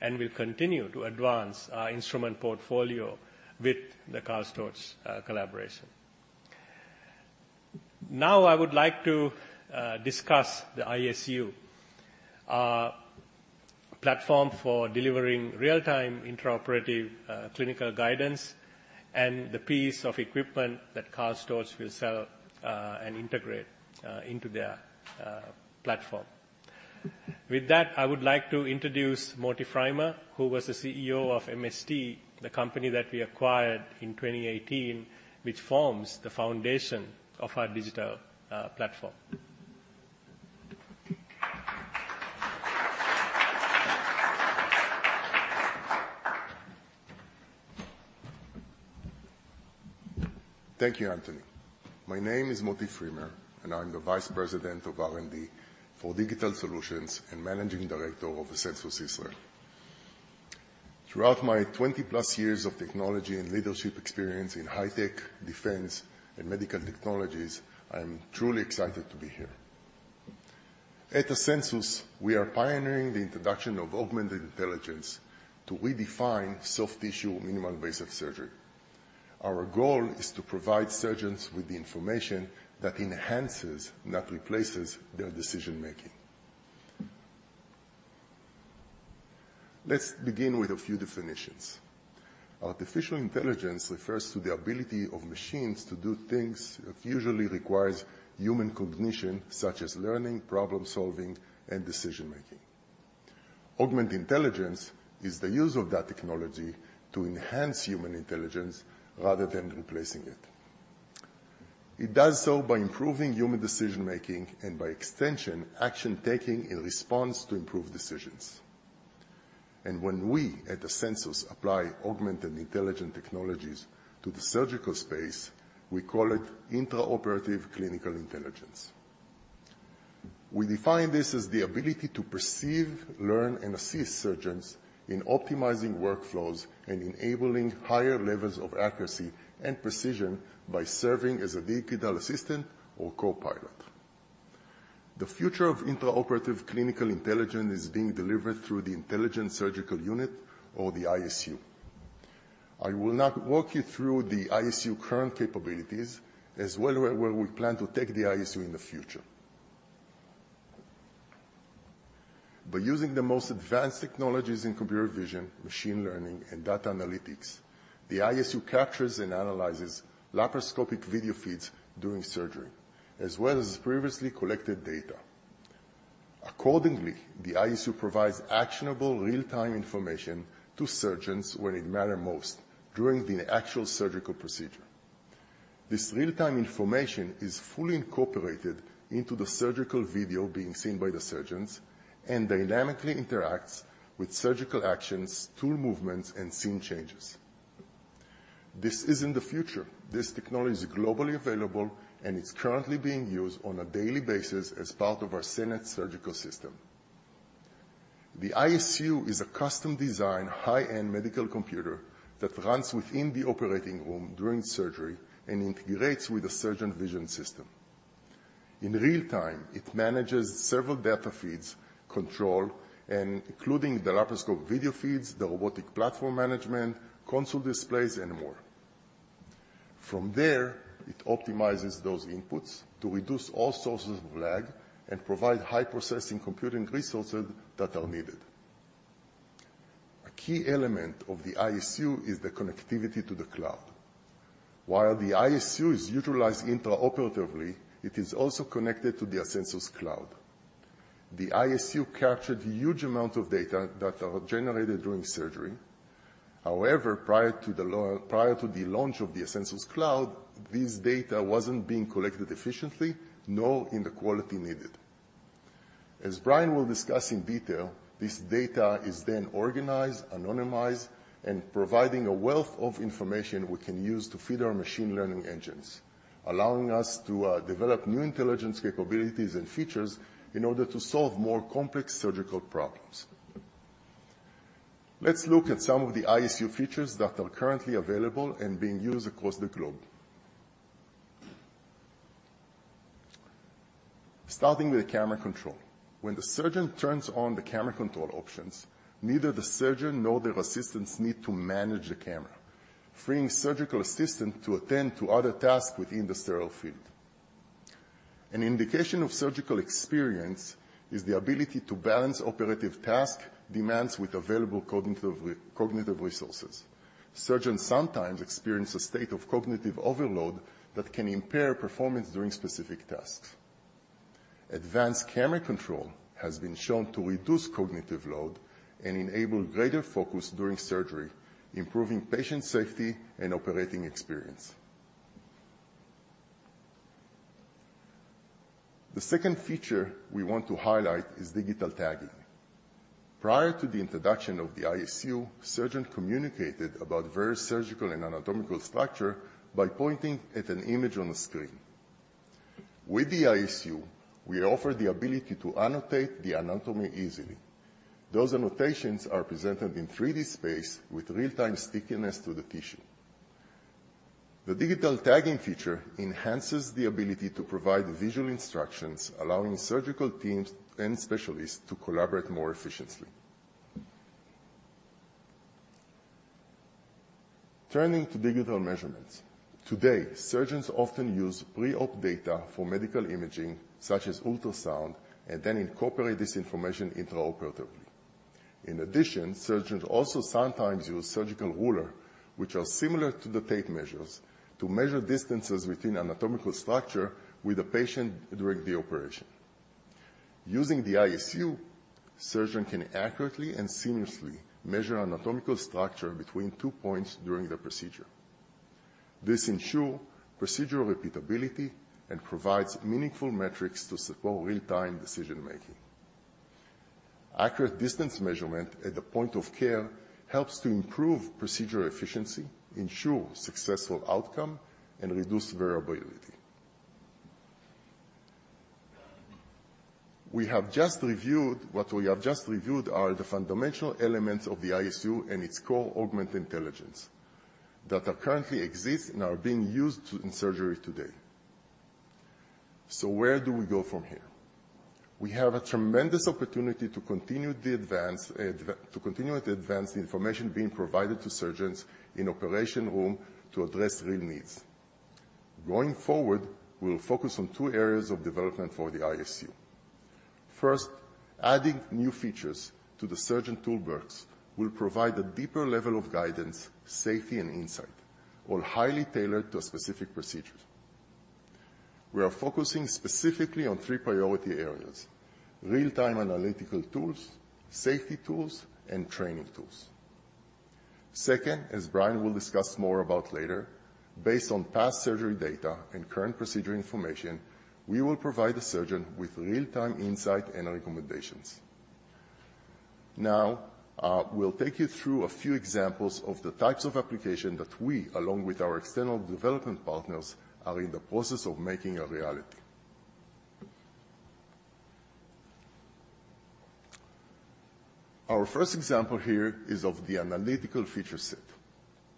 Speaker 1: and will continue to advance our instrument portfolio with the KARL STORZ collaboration. Now I would like to discuss the ISU, our platform for delivering real-time intraoperative clinical guidance and the piece of equipment that KARL STORZ will sell and integrate into their platform. With that, I would like to introduce Motti Frimer, who was the CEO of MST, the company that we acquired in 2018, which forms the foundation of our digital platform.
Speaker 6: Thank you, Anthony. My name is Motti Frimer, and I'm the vice president of R&D for Digital Solutions and managing director of Asensus Israel. Throughout my 20-plus years of technology and leadership experience in high tech, defense, and medical technologies, I am truly excited to be here. At Asensus, we are pioneering the introduction of Augmented Intelligence to redefine soft tissue minimally invasive surgery. Our goal is to provide surgeons with the information that enhances, not replaces, their decision-making. Let's begin with a few definitions. Artificial intelligence refers to the ability of machines to do things that usually requires human cognition, such as learning, problem-solving, and decision-making. Augmented intelligence is the use of that technology to enhance human intelligence rather than replacing it. It does so by improving human decision-making and by extension, action-taking in response to improved decisions. When we at Asensus apply augmented intelligent technologies to the surgical space, we call it intraoperative clinical intelligence. We define this as the ability to perceive, learn, and assist surgeons in optimizing workflows and enabling higher levels of accuracy and precision by serving as a digital assistant or copilot. The future of intraoperative clinical intelligence is being delivered through the Intelligent Surgical Unit or the ISU. I will now walk you through the ISU current capabilities as well where we plan to take the ISU in the future. By using the most advanced technologies in computer vision, machine learning, and data analytics, the ISU captures and analyzes laparoscopic video feeds during surgery, as well as previously collected data. Accordingly, the ISU provides actionable real-time information to surgeons when it matter most during the actual surgical procedure. This real-time information is fully incorporated into the surgical video being seen by the surgeons and dynamically interacts with surgical actions, tool movements, and scene changes. This isn't the future. This technology is globally available, and it's currently being used on a daily basis as part of our Senhance Surgical System. The ISU is a custom-designed, high-end medical computer that runs within the operating room during surgery and integrates with the surgeon vision system. In real-time, it manages several data feeds control and including the laparoscope video feeds, the robotic platform management, console displays, and more. It optimizes those inputs to reduce all sources of lag and provide high processing computing resources that are needed. A key element of the ISU is the connectivity to the cloud. While the ISU is utilized intraoperatively, it is also connected to the Asensus Cloud. The ISU captured huge amount of data that are generated during surgery. Prior to the launch of the Asensus Cloud, this data wasn't being collected efficiently nor in the quality needed. As Brian will discuss in detail, this data is then organized, anonymized, and providing a wealth of information we can use to feed our machine learning engines, allowing us to develop new intelligence capabilities and features in order to solve more complex surgical problems. Let's look at some of the ISU features that are currently available and being used across the globe. Starting with camera control. When the surgeon turns on the camera control options, neither the surgeon nor their assistants need to manage the camera, freeing surgical assistant to attend to other tasks within the sterile field. An indication of surgical experience is the ability to balance operative task demands with available cognitive resources. Surgeons sometimes experience a state of cognitive overload that can impair performance during specific tasks. Advanced camera control has been shown to reduce cognitive load and enable greater focus during surgery, improving patient safety and operating experience. The second feature we want to highlight is digital tagging. Prior to the introduction of the ISU, surgeon communicated about various surgical and anatomical structure by pointing at an image on the screen. With the ISU, we offer the ability to annotate the anatomy easily. Those annotations are presented in 3D space with real-time stickiness to the tissue. The digital tagging feature enhances the ability to provide visual instructions, allowing surgical teams and specialists to collaborate more efficiently. Turning to digital measurements. Today, surgeons often use pre-op data for medical imaging, such as ultrasound, and then incorporate this information intraoperatively. In addition, surgeons also sometimes use surgical ruler, which are similar to the tape measures, to measure distances within anatomical structure with the patient during the operation. Using the ISU, surgeon can accurately and seamlessly measure anatomical structure between two points during the procedure. This ensure procedural repeatability and provides meaningful metrics to support real-time decision-making. Accurate distance measurement at the point of care helps to improve procedure efficiency, ensure successful outcome, and reduce variability. What we have just reviewed are the fundamental elements of the ISU and its core Augmented Intelligence that are currently exist and are being used in surgery today. Where do we go from here? We have a tremendous opportunity to continue to advance the information being provided to surgeons in operation room to address real needs. Going forward, we will focus on two areas of development for the ISU. First, adding new features to the surgeon toolbox will provide a deeper level of guidance, safety, and insight, all highly tailored to specific procedures. We are focusing specifically on three priority areas: real-time analytical tools, safety tools, and training tools. Second, as Brian will discuss more about later, based on past surgery data and current procedure information, we will provide the surgeon with real-time insight and recommendations. We'll take you through a few examples of the types of application that we, along with our external development partners, are in the process of making a reality. Our first example here is of the analytical feature set.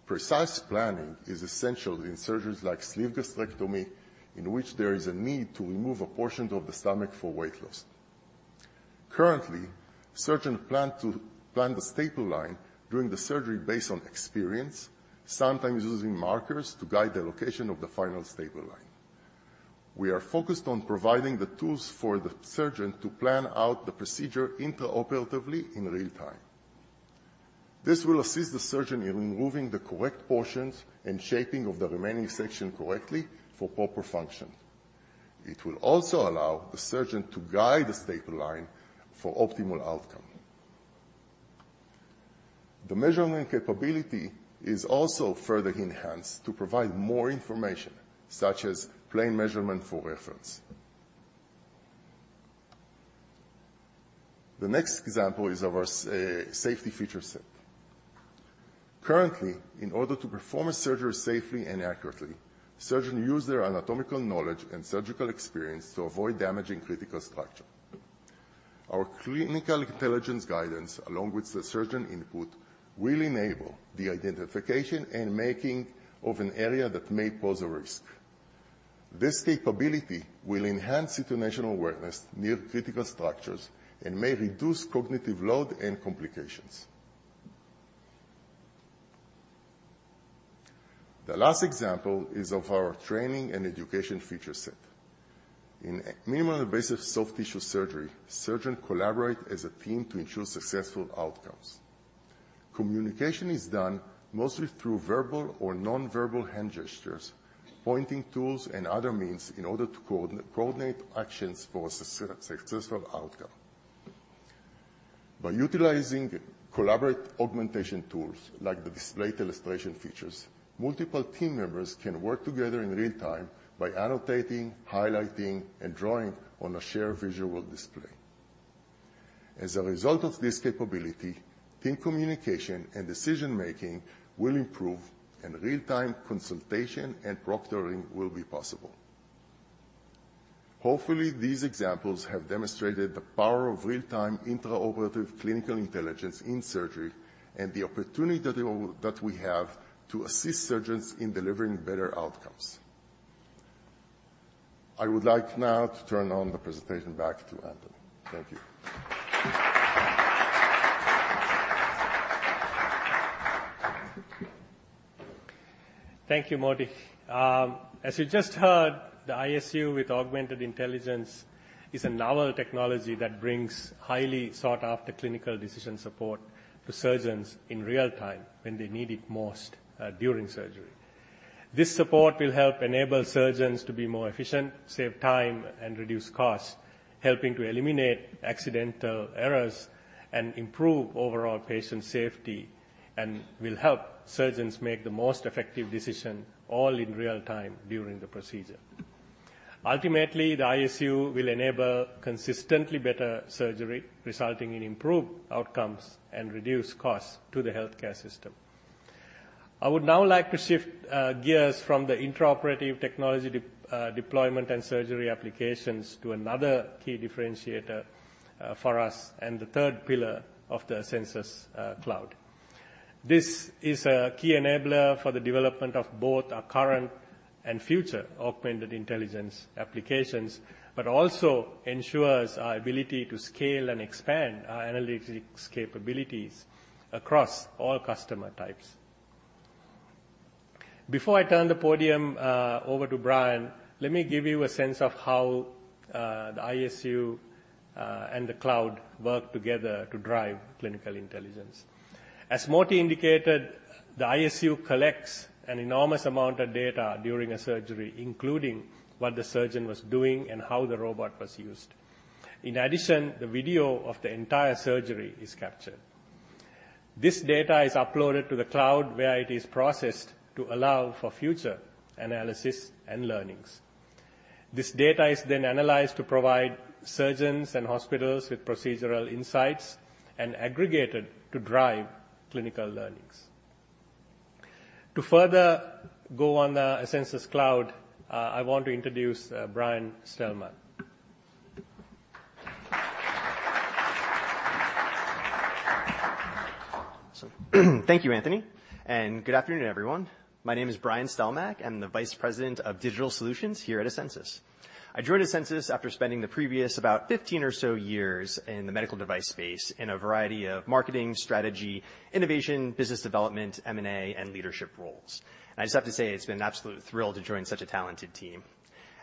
Speaker 6: Precise planning is essential in surgeries like sleeve gastrectomy, in which there is a need to remove a portion of the stomach for weight loss. Currently, surgeons plan the staple line during the surgery based on experience, sometimes using markers to guide the location of the final staple line. We are focused on providing the tools for the surgeon to plan out the procedure intraoperatively in real-time. This will assist the surgeon in removing the correct portions and shaping of the remaining section correctly for proper function. It will also allow the surgeon to guide the staple line for optimal outcome. The measurement capability is also further enhanced to provide more information, such as plane measurement for reference. The next example is of our safety feature set. Currently, in order to perform a surgery safely and accurately, surgeons use their anatomical knowledge and surgical experience to avoid damaging critical structure. Our clinical intelligence guidance, along with the surgeon input, will enable the identification and making of an area that may pose a risk. This capability will enhance situational awareness near critical structures and may reduce cognitive load and complications. The last example is of our training and education feature set. In minimally invasive soft tissue surgery, surgeons collaborate as a team to ensure successful outcomes. Communication is done mostly through verbal or non-verbal hand gestures, pointing tools, and other means in order to coordinate actions for a successful outcome. By utilizing collaborate augmentation tools like the displayed illustration features, multiple team members can work together in real-time by annotating, highlighting, and drawing on a shared visual display. As a result of this capability, team communication and decision-making will improve, and real-time consultation and proctoring will be possible. Hopefully, these examples have demonstrated the power of real-time intraoperative clinical intelligence in surgery and the opportunity that we have to assist surgeons in delivering better outcomes. I would like now to turn on the presentation back to Anthony. Thank you.
Speaker 1: Thank you, Motti. As you just heard, the ISU with Augmented Intelligence is a novel technology that brings highly sought-after clinical decision support to surgeons in real time when they need it most during surgery. This support will help enable surgeons to be more efficient, save time, and reduce costs, helping to eliminate accidental errors and improve overall patient safety, and will help surgeons make the most effective decision all in real time during the procedure. Ultimately, the ISU will enable consistently better surgery, resulting in improved outcomes and reduced costs to the healthcare system. I would now like to shift gears from the intraoperative technology deployment and surgery applications to another key differentiator for us and the third pillar of the Asensus Cloud. This is a key enabler for the development of both our current and future Augmented Intelligence applications, also ensures our ability to scale and expand our analytics capabilities across all customer types. Before I turn the podium over to Brian, let me give you a sense of how the ISU and the Asensus Cloud work together to drive clinical intelligence. As Motti indicated, the ISU collects an enormous amount of data during a surgery, including what the surgeon was doing and how the robot was used. In addition, the video of the entire surgery is captured. This data is uploaded to the Asensus Cloud, where it is processed to allow for future analysis and learnings. This data is analyzed to provide surgeons and hospitals with procedural insights and aggregated to drive clinical learnings. To further go on the Asensus Cloud, I want to introduce Brian Stellmach.
Speaker 7: Thank you, Anthony, and good afternoon, everyone. My name is Brian Stellmach. I'm the Vice President of Digital Solutions here at Asensus. I joined Asensus after spending the previous about 15 or so years in the medical device space in a variety of marketing, strategy, innovation, business development, M&A, and leadership roles. I just have to say it's been an absolute thrill to join such a talented team.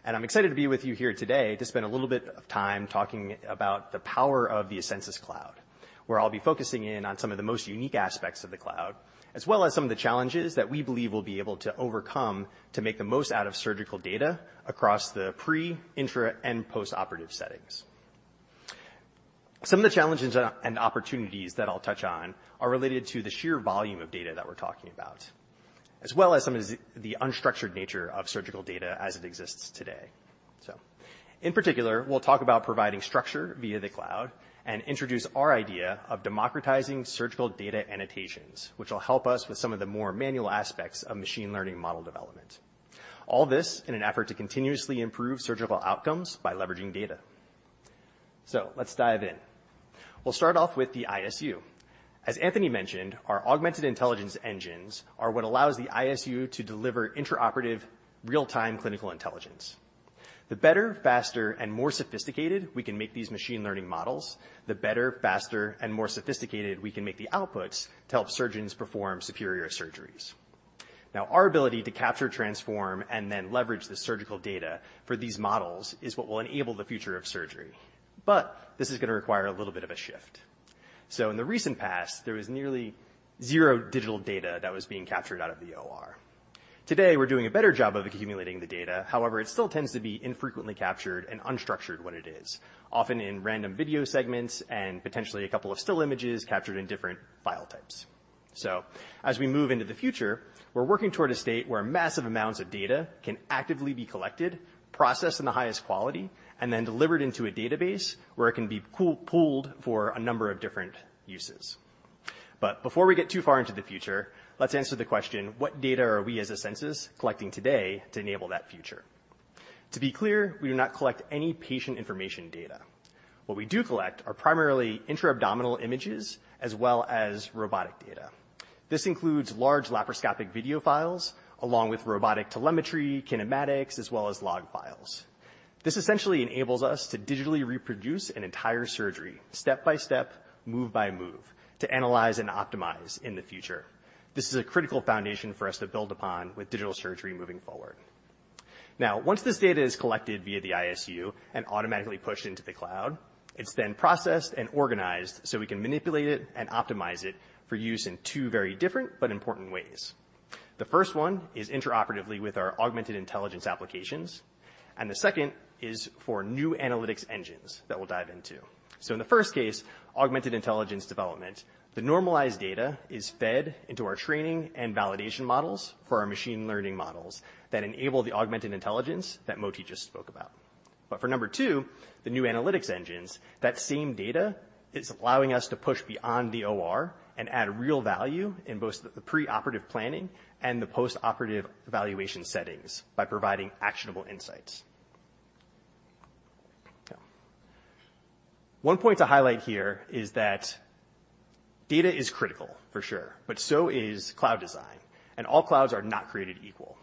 Speaker 7: I'm excited to be with you here today to spend a little bit of time talking about the power of the Asensus Cloud, where I'll be focusing in on some of the most unique aspects of the cloud, as well as some of the challenges that we believe we'll be able to overcome to make the most out of surgical data across the pre, intra, and post-operative settings. Some of the challenges and opportunities that I'll touch on are related to the sheer volume of data that we're talking about, as well as some of the unstructured nature of surgical data as it exists today. In particular, we'll talk about providing structure via the cloud and introduce our idea of democratizing surgical data annotation, which will help us with some of the more manual aspects of machine learning model development. All this in an effort to continuously improve surgical outcomes by leveraging data. Let's dive in. We'll start off with the ISU. As Anthony mentioned, our augmented intelligence engines are what allows the ISU to deliver intraoperative real-time clinical intelligence. The better, faster, and more sophisticated we can make these machine learning models, the better, faster, and more sophisticated we can make the outputs to help surgeons perform superior surgeries. Our ability to capture, transform, and then leverage the surgical data for these models is what will enable the future of surgery. This is gonna require a little bit of a shift. In the recent past, there was nearly zero digital data that was being captured out of the OR. Today, we're doing a better job of accumulating the data. However, it still tends to be infrequently captured and unstructured when it is, often in random video segments and potentially a couple of still images captured in different file types. As we move into the future, we're working toward a state where massive amounts of data can actively be collected, processed in the highest quality, and then delivered into a database where it can be pooled for a number of different uses. Before we get too far into the future, let's answer the question: What data are we as Asensus collecting today to enable that future? To be clear, we do not collect any patient information data. What we do collect are primarily intra-abdominal images as well as robotic data. This includes large laparoscopic video files along with robotic telemetry, kinematics, as well as log files. This essentially enables us to digitally reproduce an entire surgery step by step, move by move to analyze and optimize in the future. This is a critical foundation for us to build upon with digital surgery moving forward. Once this data is collected via the ISU and automatically pushed into the Asensus Cloud, it's then processed and organized, so we can manipulate it and optimize it for use in two very different but important ways. The first one is intraoperatively with our Augmented Intelligence applications. The second is for new analytics engines that we'll dive into. In the first case, Augmented Intelligence development, the normalized data is fed into our training and validation models for our machine learning models that enable the Augmented Intelligence that Motti just spoke about. For number 2, the new analytics engines, that same data is allowing us to push beyond the OR and add real value in both the preoperative planning and the postoperative evaluation settings by providing actionable insights. One point to highlight here is that data is critical for sure, but so is cloud design, and all clouds are not created equal.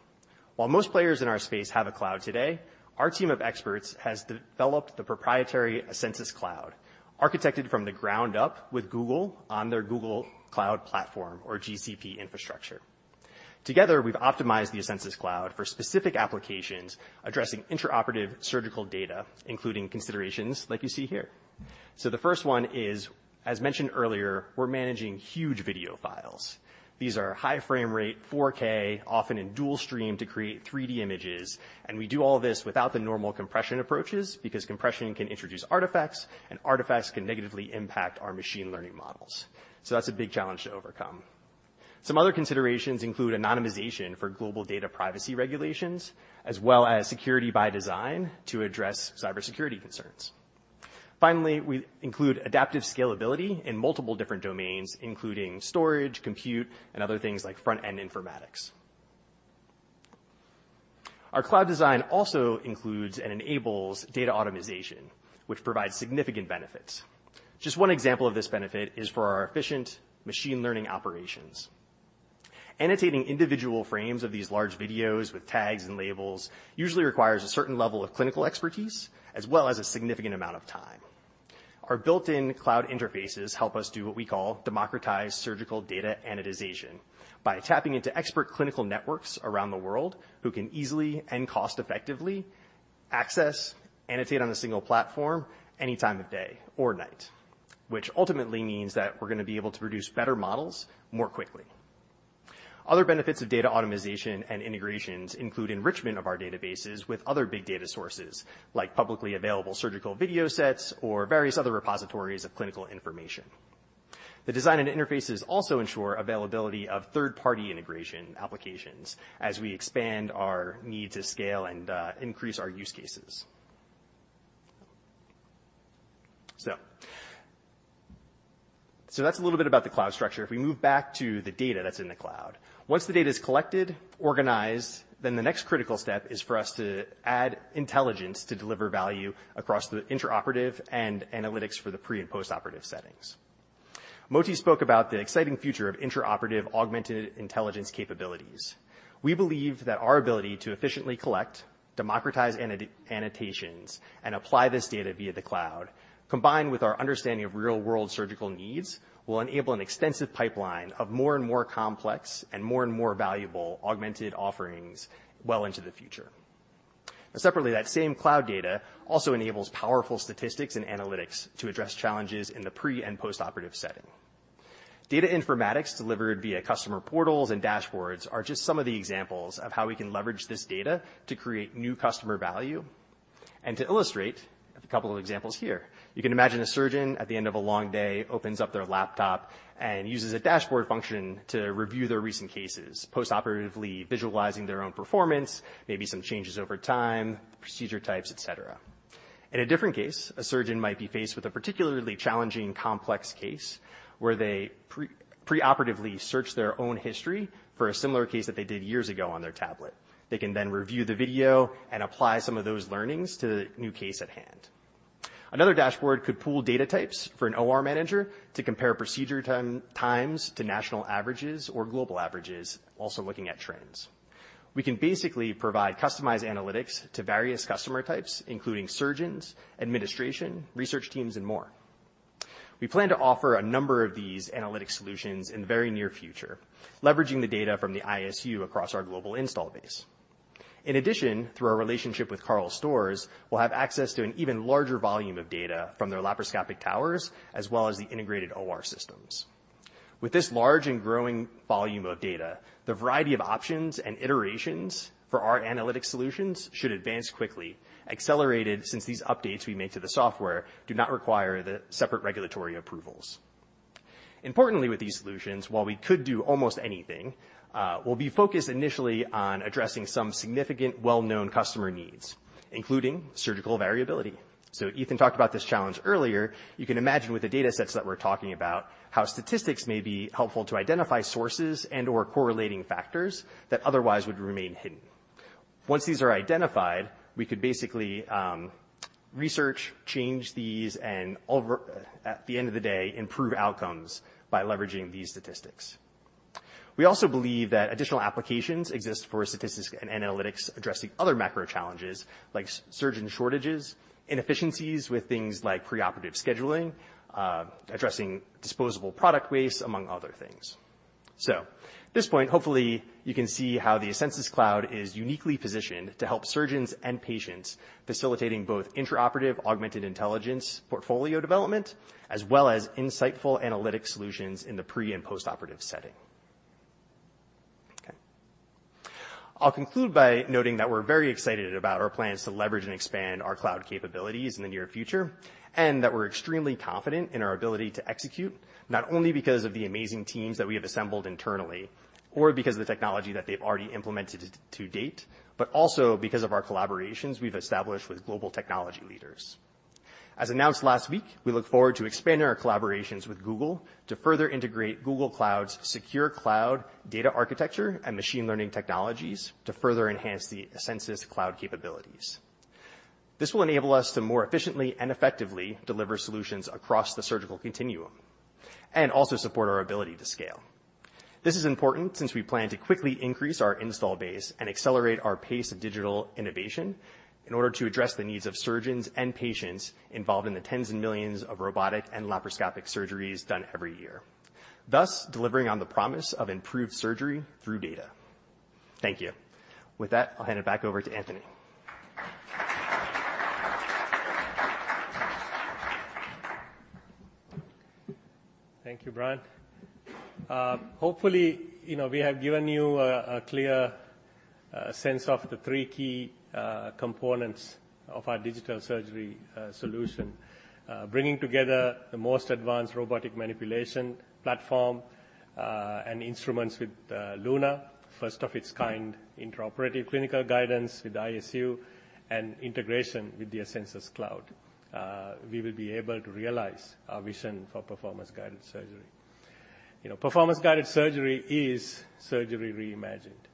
Speaker 7: While most players in our space have a cloud today, our team of experts has developed the proprietary Asensus Cloud, architected from the ground up with Google on their Google Cloud Platform or GCP infrastructure. Together, we've optimized the Asensus Cloud for specific applications addressing intraoperative surgical data, including considerations like you see here. The first one is, as mentioned earlier, we're managing huge video files. These are high frame rate, 4K, often in dual stream to create 3D images. We do all this without the normal compression approaches because compression can introduce artifacts, and artifacts can negatively impact our machine learning models. That's a big challenge to overcome. Some other considerations include anonymization for global data privacy regulations, as well as security by design to address cybersecurity concerns. Finally, we include adaptive scalability in multiple different domains, including storage, compute, and other things like front-end informatics. Our cloud design also includes and enables data automation, which provides significant benefits. Just one example of this benefit is for our efficient machine learning operations. Annotating individual frames of these large videos with tags and labels usually requires a certain level of clinical expertise as well as a significant amount of time. Our built-in cloud interfaces help us do what we call democratized surgical data annotation by tapping into expert clinical networks around the world who can easily and cost-effectively access, annotate on a single platform any time of day or night, which ultimately means that we're gonna be able to produce better models more quickly. Other benefits of data automation and integrations include enrichment of our databases with other big data sources, like publicly available surgical video sets or various other repositories of clinical information. The design and interfaces also ensure availability of third-party integration applications as we expand our need to scale and increase our use cases. That's a little bit about the cloud structure. If we move back to the data that's in the cloud. Once the data is collected, organized, the next critical step is for us to add intelligence to deliver value across the intraoperative and analytics for the pre and postoperative settings. Motti spoke about the exciting future of intraoperative Augmented Intelligence capabilities. We believe that our ability to efficiently collect, democratize annotations, and apply this data via the cloud, combined with our understanding of real-world surgical needs, will enable an extensive pipeline of more and more complex and more and more valuable augmented offerings well into the future. Separately, that same cloud data also enables powerful statistics and analytics to address challenges in the pre and postoperative setting. Data informatics delivered via customer portals and dashboards are just some of the examples of how we can leverage this data to create new customer value. To illustrate, I have a couple of examples here. You can imagine a surgeon at the end of a long day opens up their laptop and uses a dashboard function to review their recent cases, postoperatively visualizing their own performance, maybe some changes over time, procedure types, et cetera. In a different case, a surgeon might be faced with a particularly challenging complex case where they pre-operatively search their own history for a similar case that they did years ago on their tablet. They can review the video and apply some of those learnings to the new case at hand. Another dashboard could pool data types for an OR manager to compare procedure time, times to national averages or global averages, also looking at trends. We can basically provide customized analytics to various customer types, including surgeons, administration, research teams, and more. We plan to offer a number of these analytic solutions in the very near future, leveraging the data from the ISU across our global install base. In addition, through our relationship with KARL STORZ, we'll have access to an even larger volume of data from their laparoscopic towers, as well as the integrated OR systems. With this large and growing volume of data, the variety of options and iterations for our analytic solutions should advance quickly, accelerated, since these updates we make to the software do not require the separate regulatory approvals. Importantly, with these solutions, while we could do almost anything, we'll be focused initially on addressing some significant well-known customer needs, including surgical variability. Ethan talked about this challenge earlier. You can imagine with the datasets that we're talking about, how statistics may be helpful to identify sources and/or correlating factors that otherwise would remain hidden. Once these are identified, we could basically research, change these and at the end of the day, improve outcomes by leveraging these statistics. We also believe that additional applications exist for statistics and analytics addressing other macro challenges, like surgeon shortages, inefficiencies with things like preoperative scheduling, addressing disposable product waste, among other things. At this point, hopefully you can see how the Asensus Cloud is uniquely positioned to help surgeons and patients, facilitating both intraoperative Augmented Intelligence portfolio development, as well as insightful analytic solutions in the pre and postoperative setting. Okay. I'll conclude by noting that we're very excited about our plans to leverage and expand our cloud capabilities in the near future, and that we're extremely confident in our ability to execute, not only because of the amazing teams that we have assembled internally or because of the technology that they've already implemented to date, but also because of our collaborations we've established with global technology leaders. As announced last week, we look forward to expanding our collaborations with Google to further integrate Google Cloud's secure cloud data architecture and machine learning technologies to further enhance the Asensus Cloud capabilities. This will enable us to more efficiently and effectively deliver solutions across the surgical continuum and also support our ability to scale. This is important since we plan to quickly increase our install base and accelerate our pace of digital innovation in order to address the needs of surgeons and patients involved in the tens and millions of robotic and laparoscopic surgeries done every year, thus delivering on the promise of improved surgery through data. Thank you. With that, I'll hand it back over to Anthony.
Speaker 1: Thank you, Brian. Hopefully, you know, we have given you a clear sense of the three key components of our digital surgery solution. Bringing together the most advanced robotic manipulation platform and instruments with LUNA, first of its kind intraoperative clinical guidance with ISU and integration with the Asensus Cloud. We will be able to realize our vision for Performance-Guided Surgery. You know, Performance-Guided Surgery is surgery reimagined.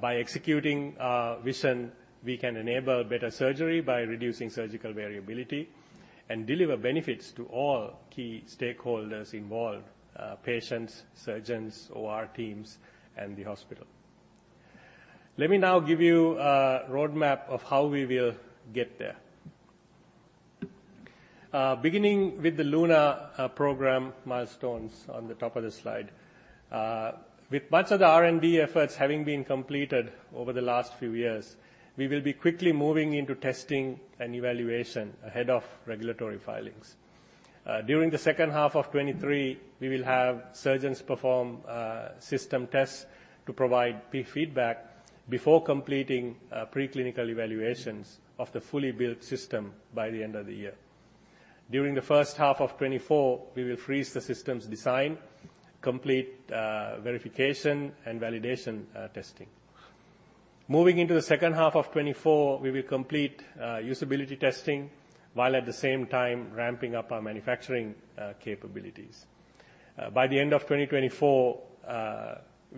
Speaker 1: By executing our vision, we can enable better surgery by reducing surgical variability and deliver benefits to all key stakeholders involved, patients, surgeons, OR teams, and the hospital. Let me now give you a roadmap of how we will get there. Beginning with the LUNA program milestones on the top of the slide. With much of the R&D efforts having been completed over the last few years, we will be quickly moving into testing and evaluation ahead of regulatory filings. During the second half of 2023, we will have surgeons perform system tests to provide feedback before completing preclinical evaluations of the fully built system by the end of the year. During the first half of 2024, we will freeze the system's design, complete verification and validation testing. Moving into the second half of 2024, we will complete usability testing while at the same time ramping up our manufacturing capabilities. By the end of 2024,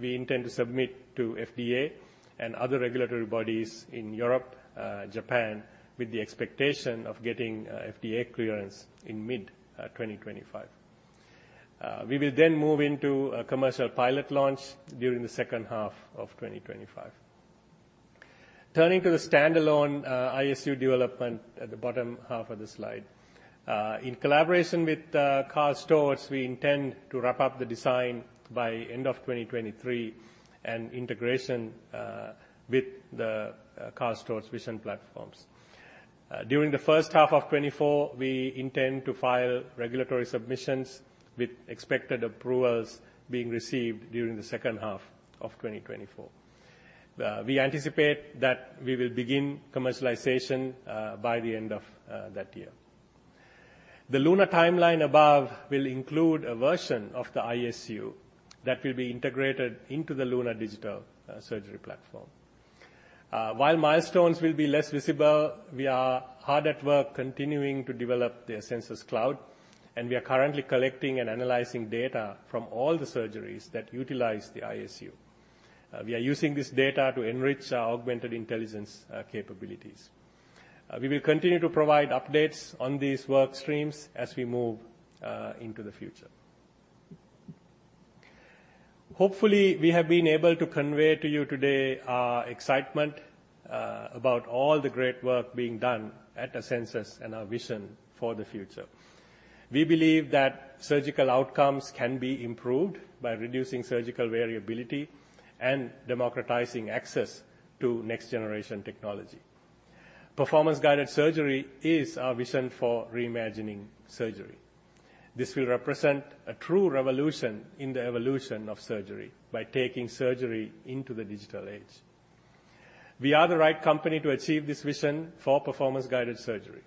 Speaker 1: we intend to submit to FDA and other regulatory bodies in Europe, Japan, with the expectation of getting FDA clearance in mid 2025. We will move into a commercial pilot launch during the second half of 2025. Turning to the standalone ISU development at the bottom half of the slide. In collaboration with KARL STORZ, we intend to wrap up the design by end of 2023 and integration with the KARL STORZ vision platforms. During the first half of 2024, we intend to file regulatory submissions with expected approvals being received during the second half of 2024. We anticipate that we will begin commercialization by the end of that year. The LUNA timeline above will include a version of the ISU that will be integrated into the LUNA Digital Surgery Platform. While milestones will be less visible, we are hard at work continuing to develop the Asensus Cloud, and we are currently collecting and analyzing data from all the surgeries that utilize the ISU. We are using this data to enrich our Augmented Intelligence capabilities. We will continue to provide updates on these work streams as we move into the future. Hopefully, we have been able to convey to you today our excitement about all the great work being done at Asensus and our vision for the future. We believe that surgical outcomes can be improved by reducing surgical variability and democratizing access to next-generation technology. Performance-Guided Surgery is our vision for reimagining surgery. This will represent a true revolution in the evolution of surgery by taking surgery into the digital age. We are the right company to achieve this vision for Performance-Guided Surgery.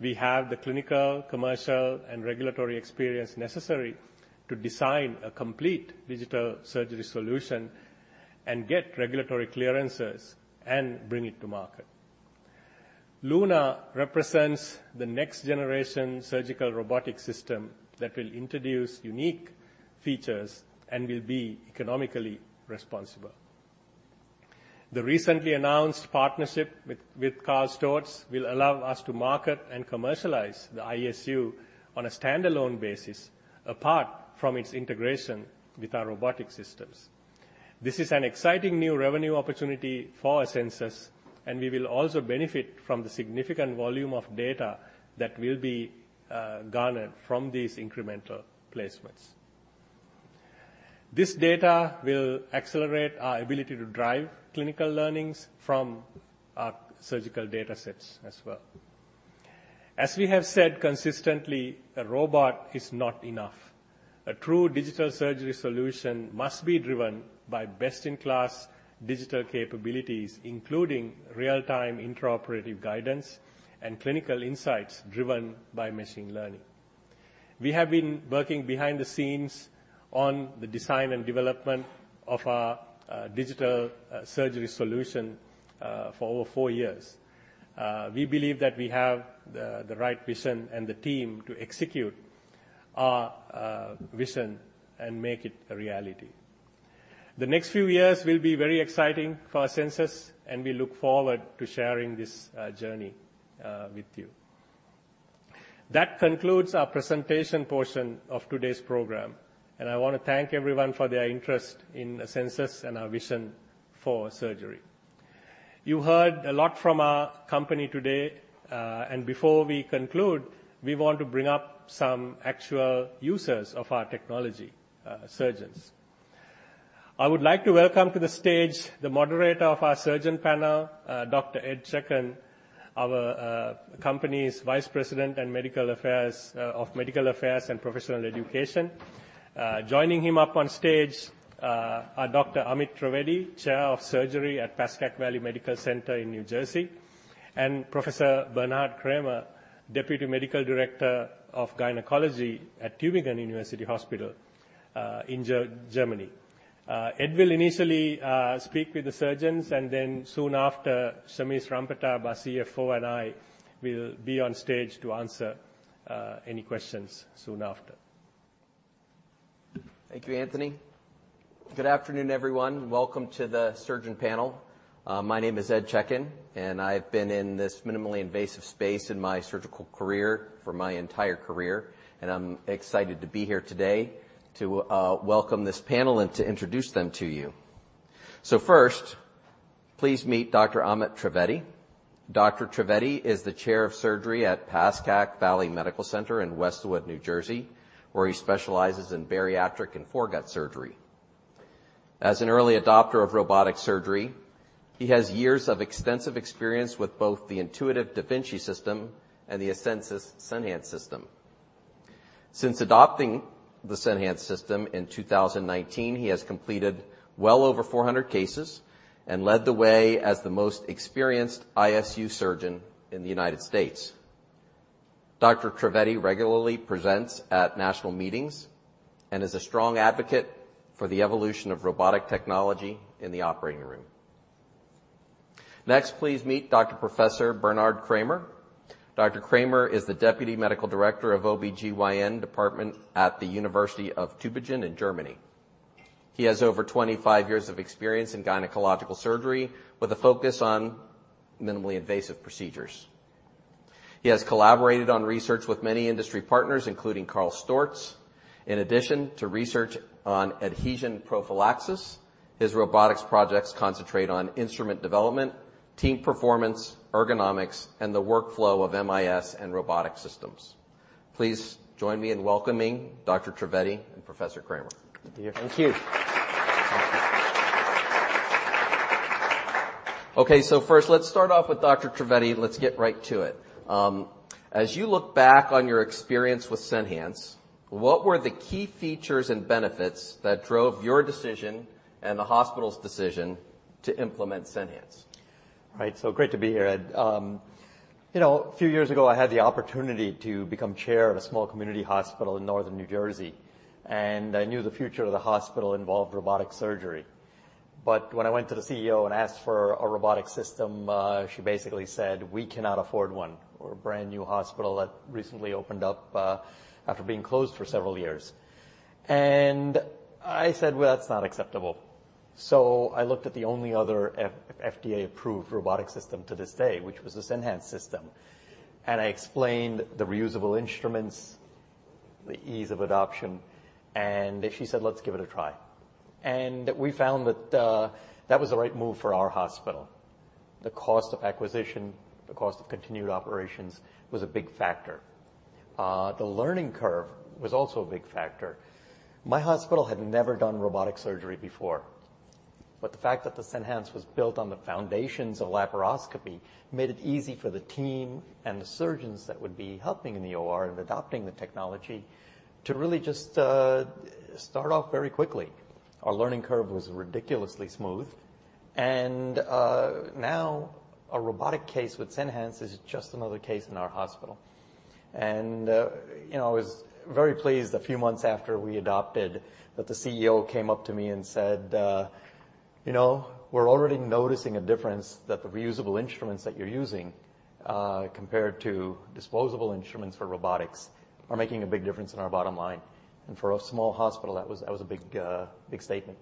Speaker 1: We have the clinical, commercial, and regulatory experience necessary to design a complete digital surgery solution and get regulatory clearances and bring it to market. LUNA represents the next-generation surgical robotic system that will introduce unique features and will be economically responsible. The recently announced partnership with KARL STORZ will allow us to market and commercialize the ISU on a standalone basis, apart from its integration with our robotic systems. This is an exciting new revenue opportunity for Asensus, and we will also benefit from the significant volume of data that will be garnered from these incremental placements. This data will accelerate our ability to drive clinical learnings from our surgical datasets as well. As we have said consistently, a robot is not enough. A true digital surgery solution must be driven by best-in-class digital capabilities, including real-time intraoperative guidance and clinical insights driven by machine learning. We have been working behind the scenes on the design and development of our digital surgery solution for over four years. We believe that we have the right vision and the team to execute our vision and make it a reality. The next few years will be very exciting for Asensus. We look forward to sharing this journey with you. That concludes our presentation portion of today's program. I wanna thank everyone for their interest in Asensus and our vision for surgery. You heard a lot from our company today, and before we conclude, we want to bring up some actual users of our technology, surgeons. I would like to welcome to the stage the moderator of our surgeon panel, Dr. Ed Chekan, our company's Vice President in Medical Affairs, of Medical Affairs and Professional Education. Joining him up on stage are Dr. Amit Trivedi, chair of surgery at Pascack Valley Medical Center in New Jersey, and Professor Bernhard Krämer, deputy medical director of gynecology at Tübingen University Hospital in Germany. Ed will initially speak with the surgeons, and then soon after, Shameze Rampertab, our CFO, and I will be on stage to answer any questions soon after.
Speaker 8: Thank you, Anthony. Good afternoon, everyone. Welcome to the surgeon panel. My name is Ed Chekan, and I've been in this minimally invasive space in my surgical career for my entire career, and I'm excited to be here today to welcome this panel and to introduce them to you. First, please meet Dr. Amit Trivedi. Dr. Trivedi is the Chair of Surgery at Pascack Valley Medical Center in Westwood, New Jersey, where he specializes in bariatric and foregut surgery. As an early adopter of robotic surgery, he has years of extensive experience with both the Intuitive da Vinci system and the Asensus Senhance system. Since adopting the Senhance system in 2019, he has completed well over 400 cases and led the way as the most experienced ISU surgeon in the United States. Dr. Trivedi regularly presents at national meetings and is a strong advocate for the evolution of robotic technology in the operating room. Next, please meet Dr. Professor Bernhard Krämer. Dr. Krämer is the deputy medical director of OBGYN department at the University of Tübingen in Germany. He has over 25 years of experience in gynecological surgery with a focus on minimally invasive procedures. He has collaborated on research with many industry partners, including KARL STORZ. In addition to research on adhesion prophylaxis, his robotics projects concentrate on instrument development, team performance, ergonomics, and the workflow of MIS and robotic systems. Please join me in welcoming Dr. Trivedi and Professor Krämer.
Speaker 9: Thank you.
Speaker 10: Thank you.
Speaker 8: First let's start off with Dr. Trivedi. Let's get right to it. As you look back on your experience with Senhance, what were the key features and benefits that drove your decision and the hospital's decision to implement Senhance?
Speaker 9: Right. Great to be here, Ed. You know, a few years ago, I had the opportunity to become chair of a small community hospital in Northern New Jersey. I knew the future of the hospital involved robotic surgery. When I went to the CEO and asked for a robotic system, she basically said, "We cannot afford one." We're a brand-new hospital that recently opened up after being closed for several years. I said, "Well, that's not acceptable." I looked at the only other FDA-approved robotic system to this day, which was the Senhance system. I explained the reusable instruments, the ease of adoption, and she said, "Let's give it a try." We found that that was the right move for our hospital. The cost of acquisition, the cost of continued operations was a big factor. The learning curve was also a big factor. My hospital had never done robotic surgery before, but the fact that the Senhance was built on the foundations of laparoscopy made it easy for the team and the surgeons that would be helping in the OR and adopting the technology to really just start off very quickly. Our learning curve was ridiculously smooth. Now a robotic case with Senhance is just another case in our hospital. You know, I was very pleased a few months after we adopted that the CEO came up to me and said, "You know, we're already noticing a difference, that the reusable instruments that you're using, compared to disposable instruments for robotics are making a big difference in our bottom line." For a small hospital, that was, that was a big, big statement.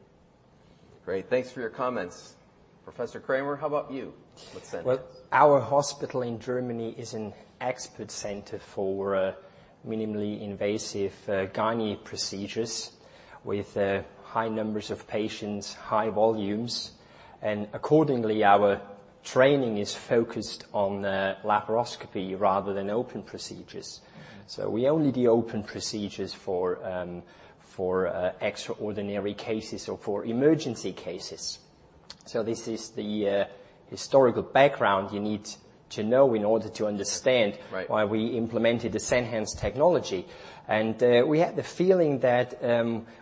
Speaker 8: Great. Thanks for your comments. Professor Krämer, how about you with Senhance?
Speaker 10: Well, our hospital in Germany is an expert center for minimally invasive gynae procedures with high numbers of patients, high volumes, and accordingly, our training is focused on laparoscopy rather than open procedures. We only do open procedures for extraordinary cases or for emergency cases. This is the historical background you need to know in order to understand.
Speaker 8: Right...
Speaker 10: why we implemented the Senhance technology. We had the feeling that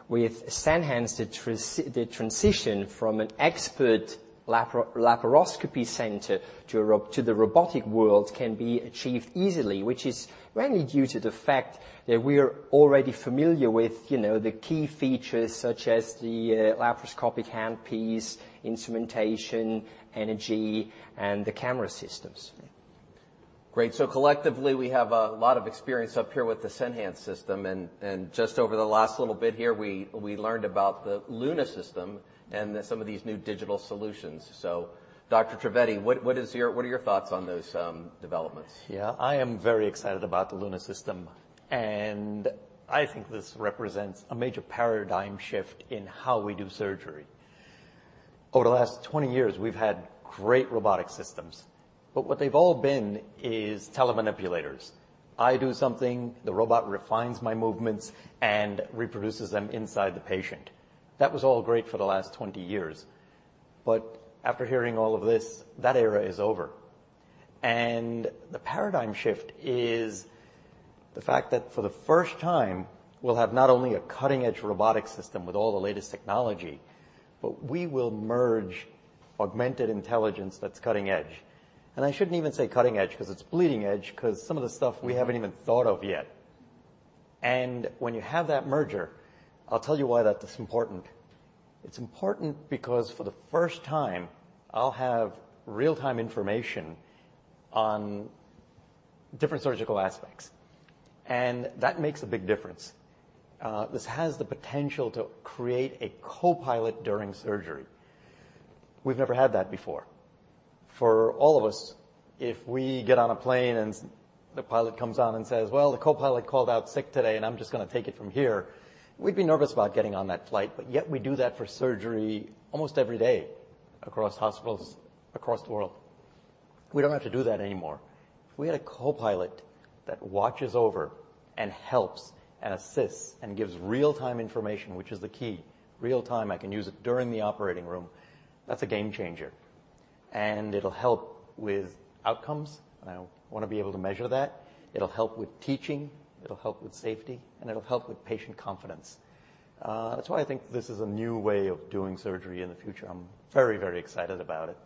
Speaker 10: with Senhance, the transition from an expert laparoscopy center to the robotic world can be achieved easily, which is mainly due to the fact that we're already familiar with, you know, the key features such as the laparoscopic handpiece, instrumentation, energy, and the camera systems.
Speaker 8: Great. Collectively, we have a lot of experience up here with the Senhance System, and just over the last little bit here, we learned about the LUNA System and some of these new digital solutions. Dr. Trivedi, what are your thoughts on those developments?
Speaker 9: Yeah. I am very excited about the LUNA System. I think this represents a major paradigm shift in how we do surgery. Over the last 20 years, we've had great robotic systems, but what they've all been is telemanipulators. I do something, the robot refines my movements and reproduces them inside the patient. That was all great for the last 20 years. After hearing all of this, that era is over. The paradigm shift is the fact that for the first time, we'll have not only a cutting-edge robotic system with all the latest technology, but we will merge Augmented Intelligence that's cutting edge. I shouldn't even say cutting edge 'cause it's bleeding edge, 'cause some of the stuff we haven't even thought of yet. When you have that merger, I'll tell you why that is important. It's important because for the first time, I'll have real-time information on different surgical aspects, and that makes a big difference. This has the potential to create a co-pilot during surgery. We've never had that before. For all of us, if we get on a plane and the pilot comes on and says, "Well, the co-pilot called out sick today, and I'm just gonna take it from here," we'd be nervous about getting on that flight, but yet we do that for surgery almost every day across hospitals across the world. We don't have to do that anymore. If we had a co-pilot that watches over and helps and assists and gives real-time information, which is the key. Real time, I can use it during the operating room. That's a game changer. It'll help with outcomes. I wanna be able to measure that. It'll help with teaching, it'll help with safety, and it'll help with patient confidence. That's why I think this is a new way of doing surgery in the future. I'm very, very excited about it.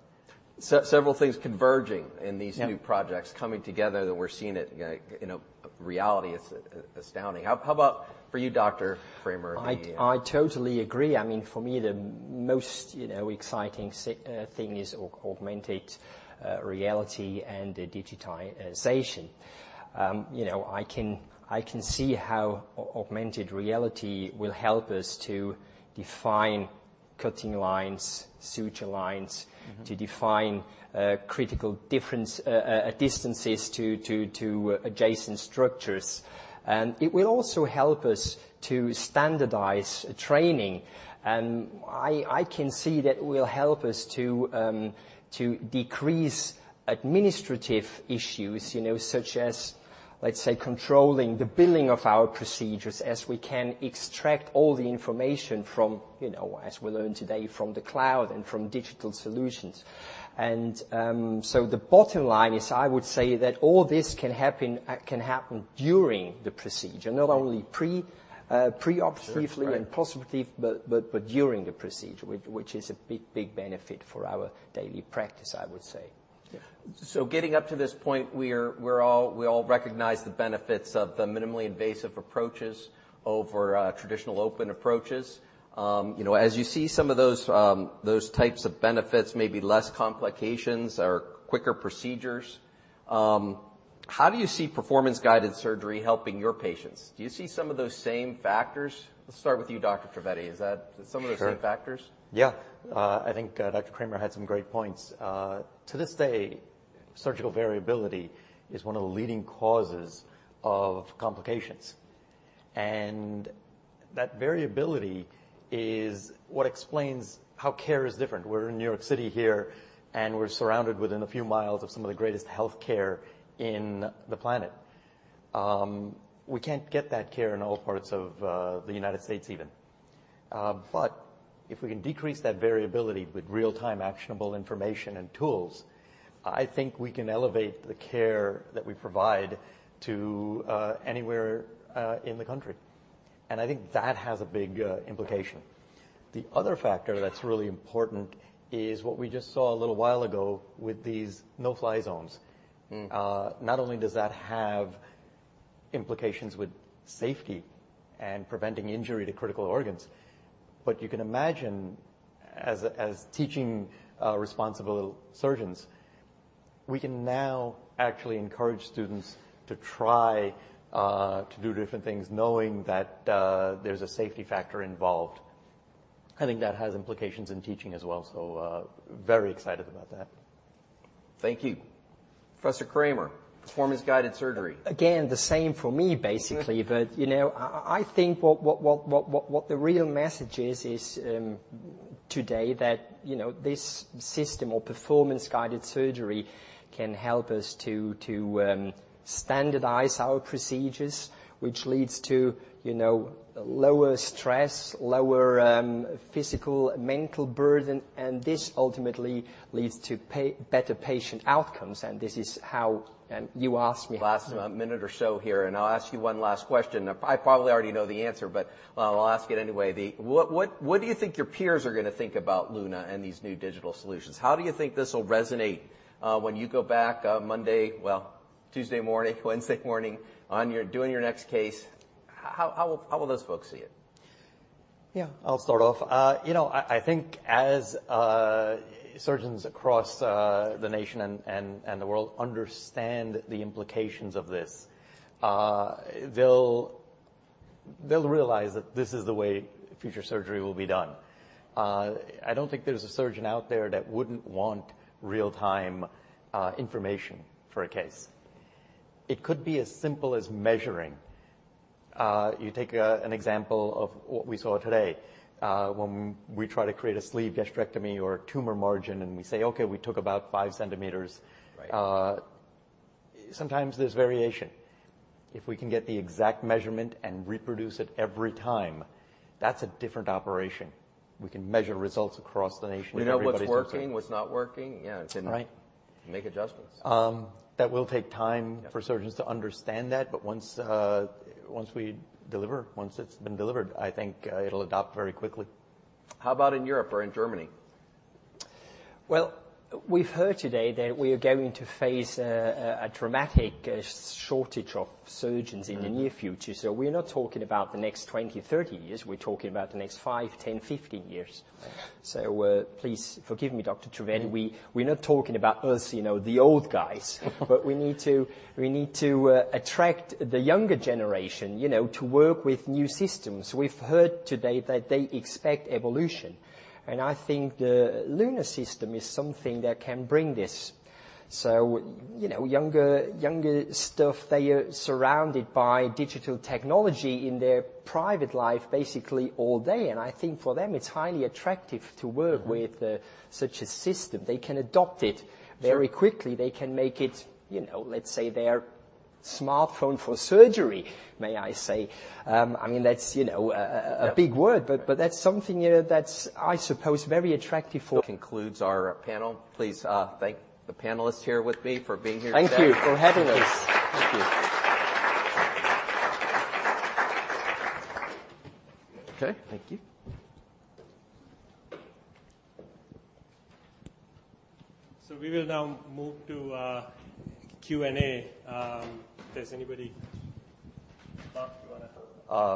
Speaker 8: Several things converging.
Speaker 9: Yeah...
Speaker 8: new projects coming together that we're seeing it, like, you know, reality. It's astounding. How about for you, Dr. Krämer?
Speaker 10: I totally agree. I mean, for me, the most, you know, exciting thing is augmented reality and the digitization. You know, I can see how augmented reality will help us to define cutting lines, suture lines.
Speaker 8: Mm-hmm.
Speaker 10: to define critical difference, distances to adjacent structures. It will also help us to standardize training. I can see that will help us to decrease administrative issues, you know, such as, let's say, controlling the billing of our procedures as we can extract all the information from, you know, as we learned today, from the cloud and from digital solutions. So the bottom line is I would say that all this can happen during the procedure, not only preoperatively.
Speaker 8: Sure. Right.
Speaker 10: Post-operative, but during the procedure, which is a big benefit for our daily practice, I would say.
Speaker 8: Yeah. Getting up to this point, we all recognize the benefits of the minimally invasive approaches over traditional open approaches. You know, as you see some of those types of benefits, maybe less complications or quicker procedures, how do you see Performance-Guided Surgery helping your patients? Do you see some of those same factors? Let's start with you, Dr. Trivedi. Is that some-
Speaker 9: Sure.
Speaker 8: -of the same factors?
Speaker 9: Yeah. I think Dr. Krämer had some great points. To this day, surgical variability is one of the leading causes of complications. That variability is what explains how care is different. We're in New York City here, and we're surrounded within a few miles of some of the greatest healthcare in the planet. We can't get that care in all parts of the United States even. If we can decrease that variability with real-time actionable information and tools, I think we can elevate the care that we provide to anywhere in the country, and I think that has a big implication. The other factor that's really important is what we just saw a little while ago with these no-fly zones.
Speaker 8: Mm.
Speaker 9: Not only does that have implications with safety and preventing injury to critical organs, but you can imagine as teaching, responsible surgeons, we can now actually encourage students to try to do different things knowing that there's a safety factor involved. I think that has implications in teaching as well. Very excited about that.
Speaker 8: Thank you. Professor Kramer, Performance-Guided Surgery.
Speaker 10: Again, the same for me, basically. You know, I think what the real message is, today that, you know, this system or Performance-Guided Surgery can help us to standardize our procedures, which leads to, you know, lower stress, lower physical and mental burden, and this ultimately leads to better patient outcomes. This is how... You asked me-
Speaker 8: Last a minute or so here, and I'll ask you one last question. I probably already know the answer, but I'll ask it anyway. What do you think your peers are gonna think about LUNA and these new digital solutions? How do you think this will resonate when you go back Monday, well, Tuesday morning, Wednesday morning, doing your next case? How will those folks see it?
Speaker 9: Yeah, I'll start off. you know, I think as surgeons across the nation and the world understand the implications of this, they'll realize that this is the way future surgery will be done. I don't think there's a surgeon out there that wouldn't want real-time information for a case. It could be as simple as measuring. you take an example of what we saw today. When we try to create a sleeve gastrectomy or a tumor margin, and we say, "Okay, we took about five centimeters.
Speaker 8: Right.
Speaker 9: Sometimes there's variation. If we can get the exact measurement and reproduce it every time, that's a different operation. We can measure results across the nation.
Speaker 8: We know what's working, what's not working. Yeah.
Speaker 9: Right.
Speaker 8: Make adjustments.
Speaker 9: That will take time.
Speaker 8: Yeah.
Speaker 9: -for surgeons to understand that. Once we deliver, once it's been delivered, I think, it'll adopt very quickly.
Speaker 8: How about in Europe or in Germany?
Speaker 10: Well, we've heard today that we are going to face a dramatic shortage of surgeons in the near future.
Speaker 8: Mm-hmm.
Speaker 10: We're not talking about the next 20, 30 years. We're talking about the next 5, 10, 15 years. Please forgive me, Dr. Trivedi, we're not talking about us, you know, the old guys. We need to attract the younger generation, you know, to work with new systems. We've heard today that they expect evolution, and I think the LUNA system is something that can bring this. You know, younger stuff, they are surrounded by digital technology in their private life basically all day, and I think for them it's highly attractive to work-
Speaker 8: Mm-hmm.
Speaker 10: with, such a system. They can adopt it very quickly.
Speaker 8: Sure.
Speaker 10: They can make it, you know, let's say their smartphone for surgery, may I say? I mean, that's, you know, a big word.
Speaker 8: Yeah.
Speaker 10: That's something, you know, that's, I suppose very attractive.
Speaker 8: That concludes our panel. Please thank the panelists here with me for being here today.
Speaker 10: Thank you for having us.
Speaker 9: Thank you.
Speaker 8: Thank you.
Speaker 9: Okay. Thank you.
Speaker 1: We will now move to Q&A. Does anybody... Mark?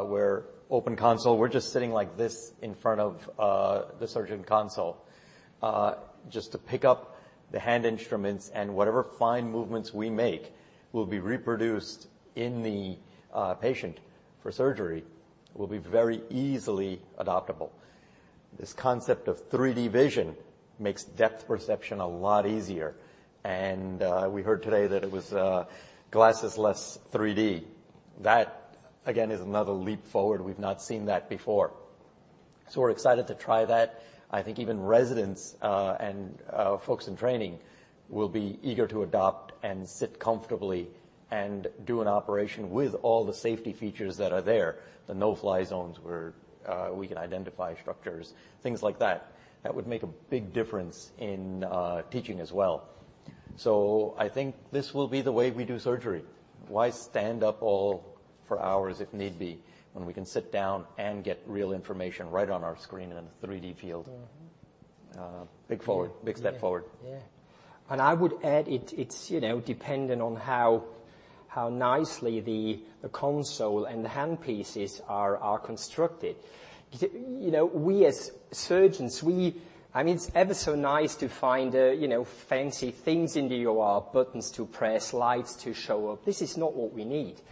Speaker 9: We're open console. We're just sitting like this in front of the surgeon console. The hand instruments and whatever fine movements we make will be reproduced in the patient for surgery, will be very easily adoptable. This concept of 3D vision makes depth perception a lot easier, and we heard today that it was glasses-less 3D. That, again, is another leap forward. We've not seen that before. We're excited to try that. I think even residents and folks in training will be eager to adopt and sit comfortably and do an operation with all the safety features that are there, the no-fly zones where we can identify structures, things like that. That would make a big difference in teaching as well. I think this will be the way we do surgery. Why stand up all for hours if need be when we can sit down and get real information right on our screen in a 3-D field?
Speaker 10: Mm-hmm.
Speaker 9: Big step forward.
Speaker 10: Yeah. I would add, it's, you know, dependent on how nicely the console and the handpieces are constructed. You know, we as surgeons, I mean, it's ever so nice to find, you know, fancy things in the OR, buttons to press, lights to show up. This is not what we need.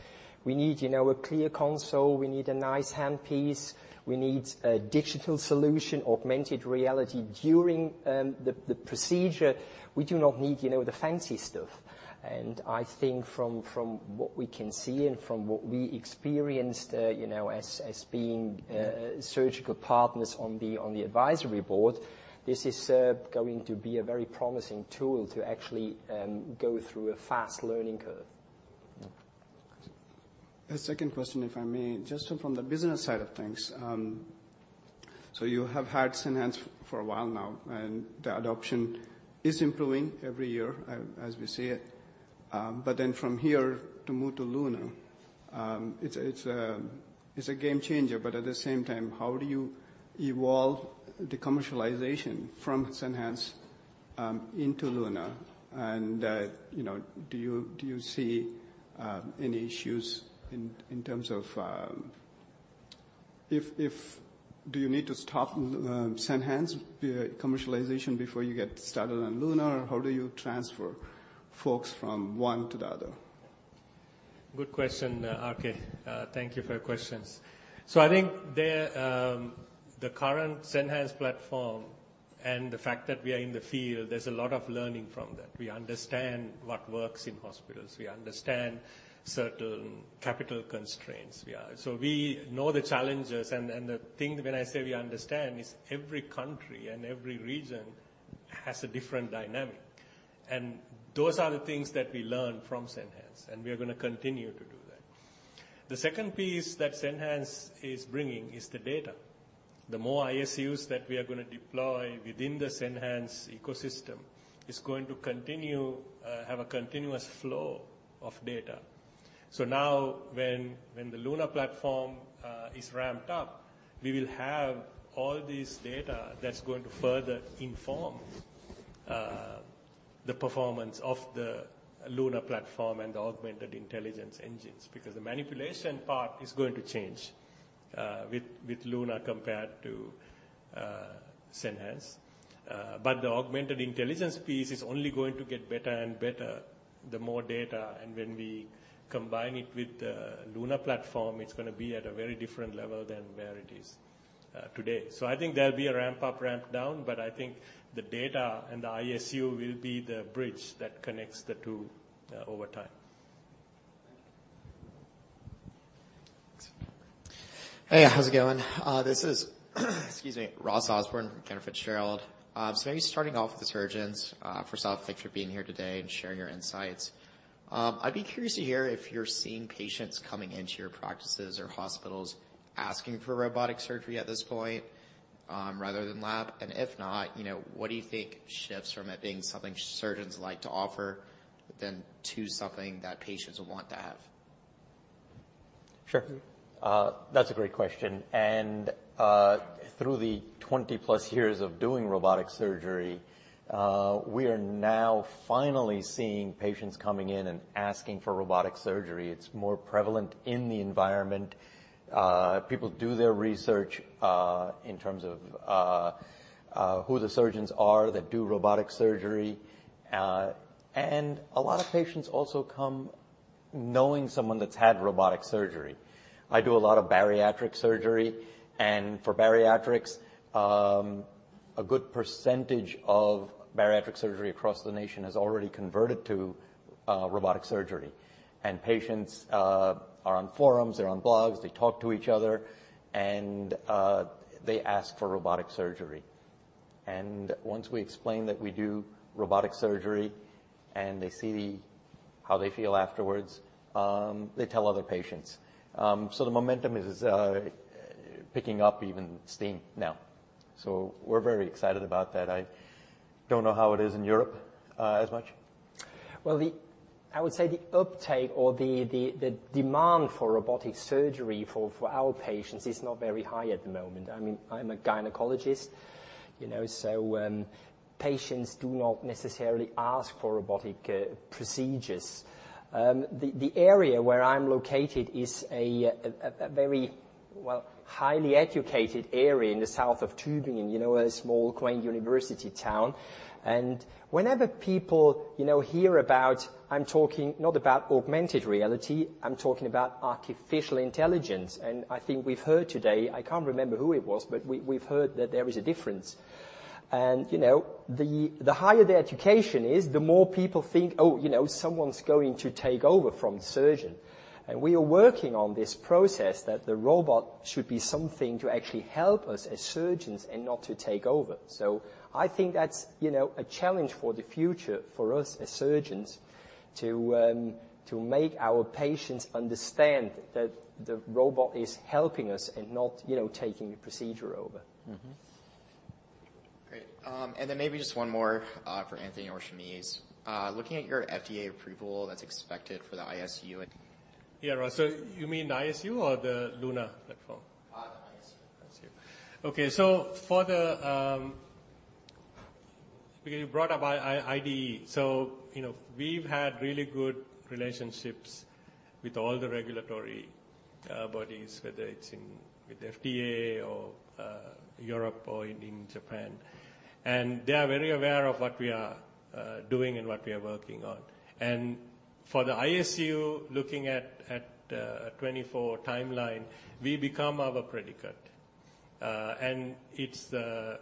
Speaker 10: We need, you know, a clear console. We need a nice handpiece. We need a digital solution, augmented reality during the procedure. We do not need, you know, the fancy stuff. I think from what we can see and from what we experienced, you know, as being surgical partners on the advisory board, this is going to be a very promising tool to actually go through a fast learning curve.
Speaker 9: Yeah.
Speaker 11: A second question, if I may. Just from the business side of things, you have had Senhance for a while now, and the adoption is improving every year as we see it. From here to move to LUNA, it's a game changer. At the same time, how do you evolve the commercialization from Senhance into LUNA? You know, do you see any issues in terms of if Do you need to stop Senhance via commercialization before you get started on LUNA, or how do you transfer folks from one to the other?
Speaker 1: Good question, R.K. Thank you for your questions. I think the current Senhance platform and the fact that we are in the field, there's a lot of learning from that. We understand what works in hospitals. We understand certain capital constraints. We know the challenges and the thing when I say we understand is every country and every region has a different dynamic. Those are the things that we learn from Senhance, and we're gonna continue to do that. The second piece that Senhance is bringing is the data. The more ISUs that we are gonna deploy within the Senhance ecosystem is going to continue, have a continuous flow of data. Now when the LUNA platform is ramped up, we will have all this data that's going to further inform the performance of the LUNA platform and the Augmented Intelligence engines. The manipulation part is going to change with LUNA compared to Senhance. The Augmented Intelligence piece is only going to get better and better the more data, and when we combine it with the LUNA platform, it's gonna be at a very different level than where it is today. I think there'll be a ramp up, ramp down, but I think the data and the ISU will be the bridge that connects the two over time.
Speaker 11: Thank you.
Speaker 9: Thanks.
Speaker 12: Hey, how's it going? This is, excuse me, Ross Osborn from Cantor Fitzgerald. Maybe starting off with the surgeons, first off, thanks for being here today and sharing your insights. I'd be curious to hear if you're seeing patients coming into your practices or hospitals asking for robotic surgery at this point, rather than lab. If not, you know, what do you think shifts from it being something surgeons like to offer then to something that patients would want to have?
Speaker 9: Sure. That's a great question. Through the 20-plus years of doing robotic surgery, we are now finally seeing patients coming in and asking for robotic surgery. It's more prevalent in the environment. People do their research in terms of who the surgeons are that do robotic surgery. A lot of patients also come knowing someone that's had robotic surgery. I do a lot of bariatric surgery, and for bariatrics, a good percentage of bariatric surgery across the nation has already converted to robotic surgery. Patients are on forums, they're on blogs, they talk to each other and they ask for robotic surgery. Once we explain that we do robotic surgery and they see how they feel afterwards, they tell other patients. The momentum is picking up even steam now. We're very excited about that. I don't know how it is in Europe, as much.
Speaker 10: Well, the uptake or the demand for robotic surgery for our patients is not very high at the moment. I mean, I'm a gynecologist, you know, so, patients do not necessarily ask for robotic procedures. The area where I'm located is a very, well, highly educated area in the south of Tübingen, you know, a small quaint university town. Whenever people, you know, hear about, I'm talking not about augmented reality, I'm talking about artificial intelligence, and I think we've heard today, I can't remember who it was, but we've heard that there is a difference.
Speaker 1: You know, the higher the education is, the more people think, "Oh, you know, someone's going to take over from surgeon." We are working on this process that the robot should be something to actually help us as surgeons and not to take over. I think that's, you know, a challenge for the future for us as surgeons to make our patients understand that the robot is helping us and not, you know, taking the procedure over.
Speaker 12: Mm-hmm. Great. Then maybe just one more, for Anthony or Shameze. Looking at your FDA approval that's expected for the ISU...
Speaker 1: Yeah. You mean ISU or the LUNA platform?
Speaker 12: The ISU.
Speaker 1: ISU. Okay. Because you brought up IDE. You know, we've had really good relationships with all the regulatory bodies, whether it's with FDA or Europe or in Japan. They are very aware of what we are doing and what we are working on. For the ISU, looking at a 2024 timeline, we become our predicate. It's the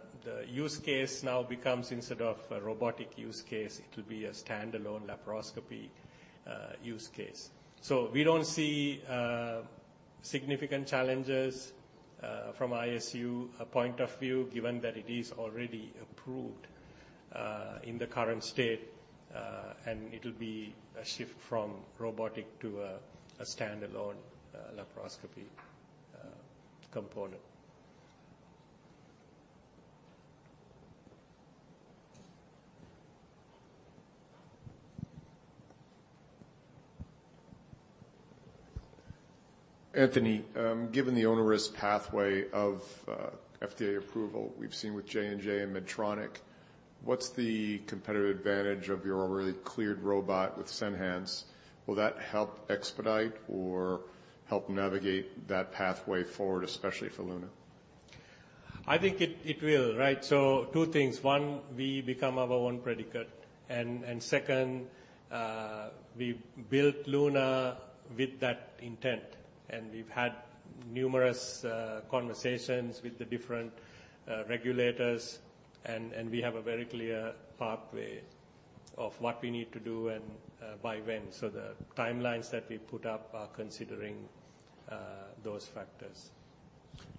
Speaker 1: use case now becomes instead of a robotic use case, it'll be a standalone laparoscopy use case. We don't see significant challenges from ISU point of view, given that it is already approved in the current state, and it'll be a shift from robotic to a standalone laparoscopy component.
Speaker 12: Anthony, given the onerous pathway of FDA approval we've seen with J&J and Medtronic, what's the competitive advantage of your already cleared robot with Senhance? Will that help expedite or help navigate that pathway forward, especially for LUNA?
Speaker 1: I think it will, right? Two things. One, we become our own predicate. Second, we built LUNA with that intent, and we've had numerous conversations with the different regulators and we have a very clear pathway of what we need to do and by when. The timelines that we put up are considering those factors.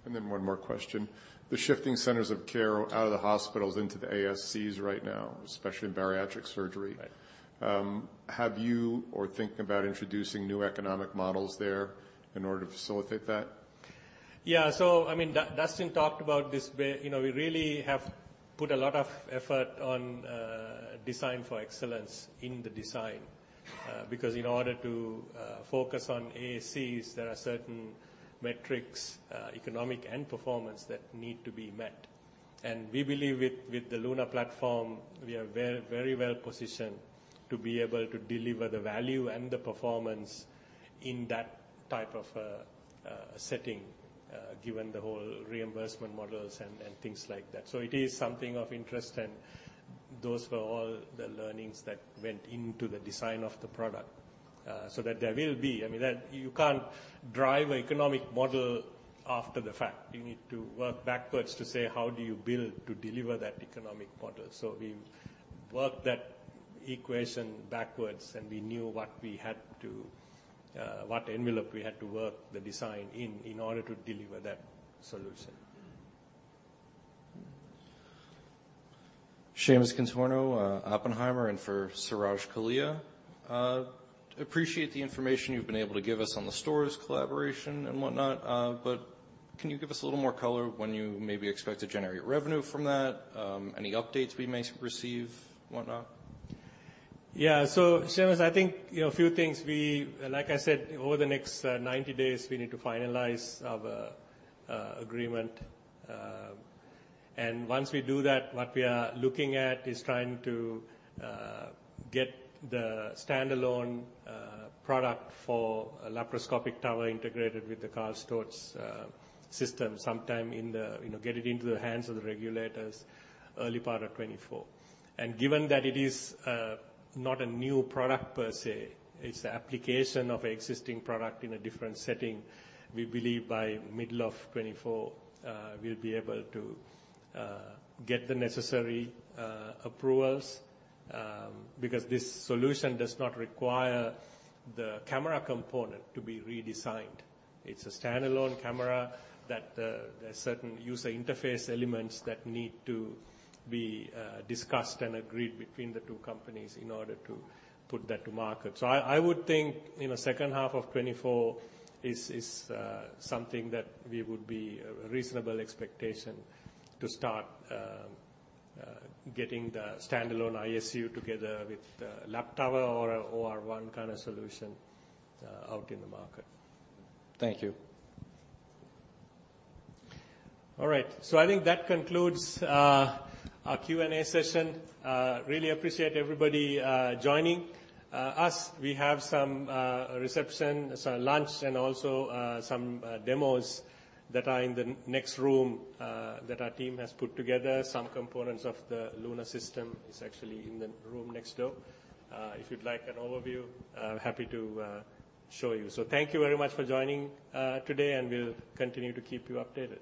Speaker 12: One more question. The shifting centers of care out of the hospitals into the ASCs right now, especially in bariatric surgery.
Speaker 1: Right
Speaker 12: ...thinking about introducing new economic models there in order to facilitate that?
Speaker 1: I mean, Dustin talked about this, you know, we really have put a lot of effort on design for excellence in the design. Because in order to focus on ASCs, there are certain metrics, economic and performance that need to be met. We believe with the LUNA platform, we are very, very well positioned to be able to deliver the value and the performance in that type of a setting, given the whole reimbursement models and things like that. It is something of interest, and those were all the learnings that went into the design of the product, so that I mean, that you can't drive economic model after the fact. You need to work backwards to say, how do you build to deliver that economic model? We worked that equation backwards, and we knew what we had to, what envelope we had to work the design in order to deliver that solution.
Speaker 13: Shaymus Contorno, Oppenheimer, and for Suraj Kalia. Appreciate the information you've been able to give us on the Storz collaboration and whatnot. Can you give us a little more color when you maybe expect to generate revenue from that? Any updates we may receive, whatnot?
Speaker 1: Seamus, I think, you know, a few things. Like I said, over the next 90 days, we need to finalize our agreement. Once we do that, what we are looking at is trying to get the standalone product for a laparoscopic tower integrated with the KARL STORZ system, you know, get it into the hands of the regulators early part of 2024. Given that it is not a new product per se, it's the application of existing product in a different setting, we believe by middle of 2024, we'll be able to get the necessary approvals, because this solution does not require the camera component to be redesigned. It's a standalone camera that there are certain user interface elements that need to be discussed and agreed between the two companies in order to put that to market. I would think, you know, second half of 2024 is something that we would be a reasonable expectation to start getting the standalone ISU together with the lap tower or a OR1 kind of solution out in the market.
Speaker 13: Thank you.
Speaker 1: All right. I think that concludes our Q&A session. Really appreciate everybody joining us. We have some reception, some lunch, and also some demos that are in the next room that our team has put together. Some components of the LUNA system is actually in the room next door. If you'd like an overview, I'm happy to show you. Thank you very much for joining today, and we'll continue to keep you updated.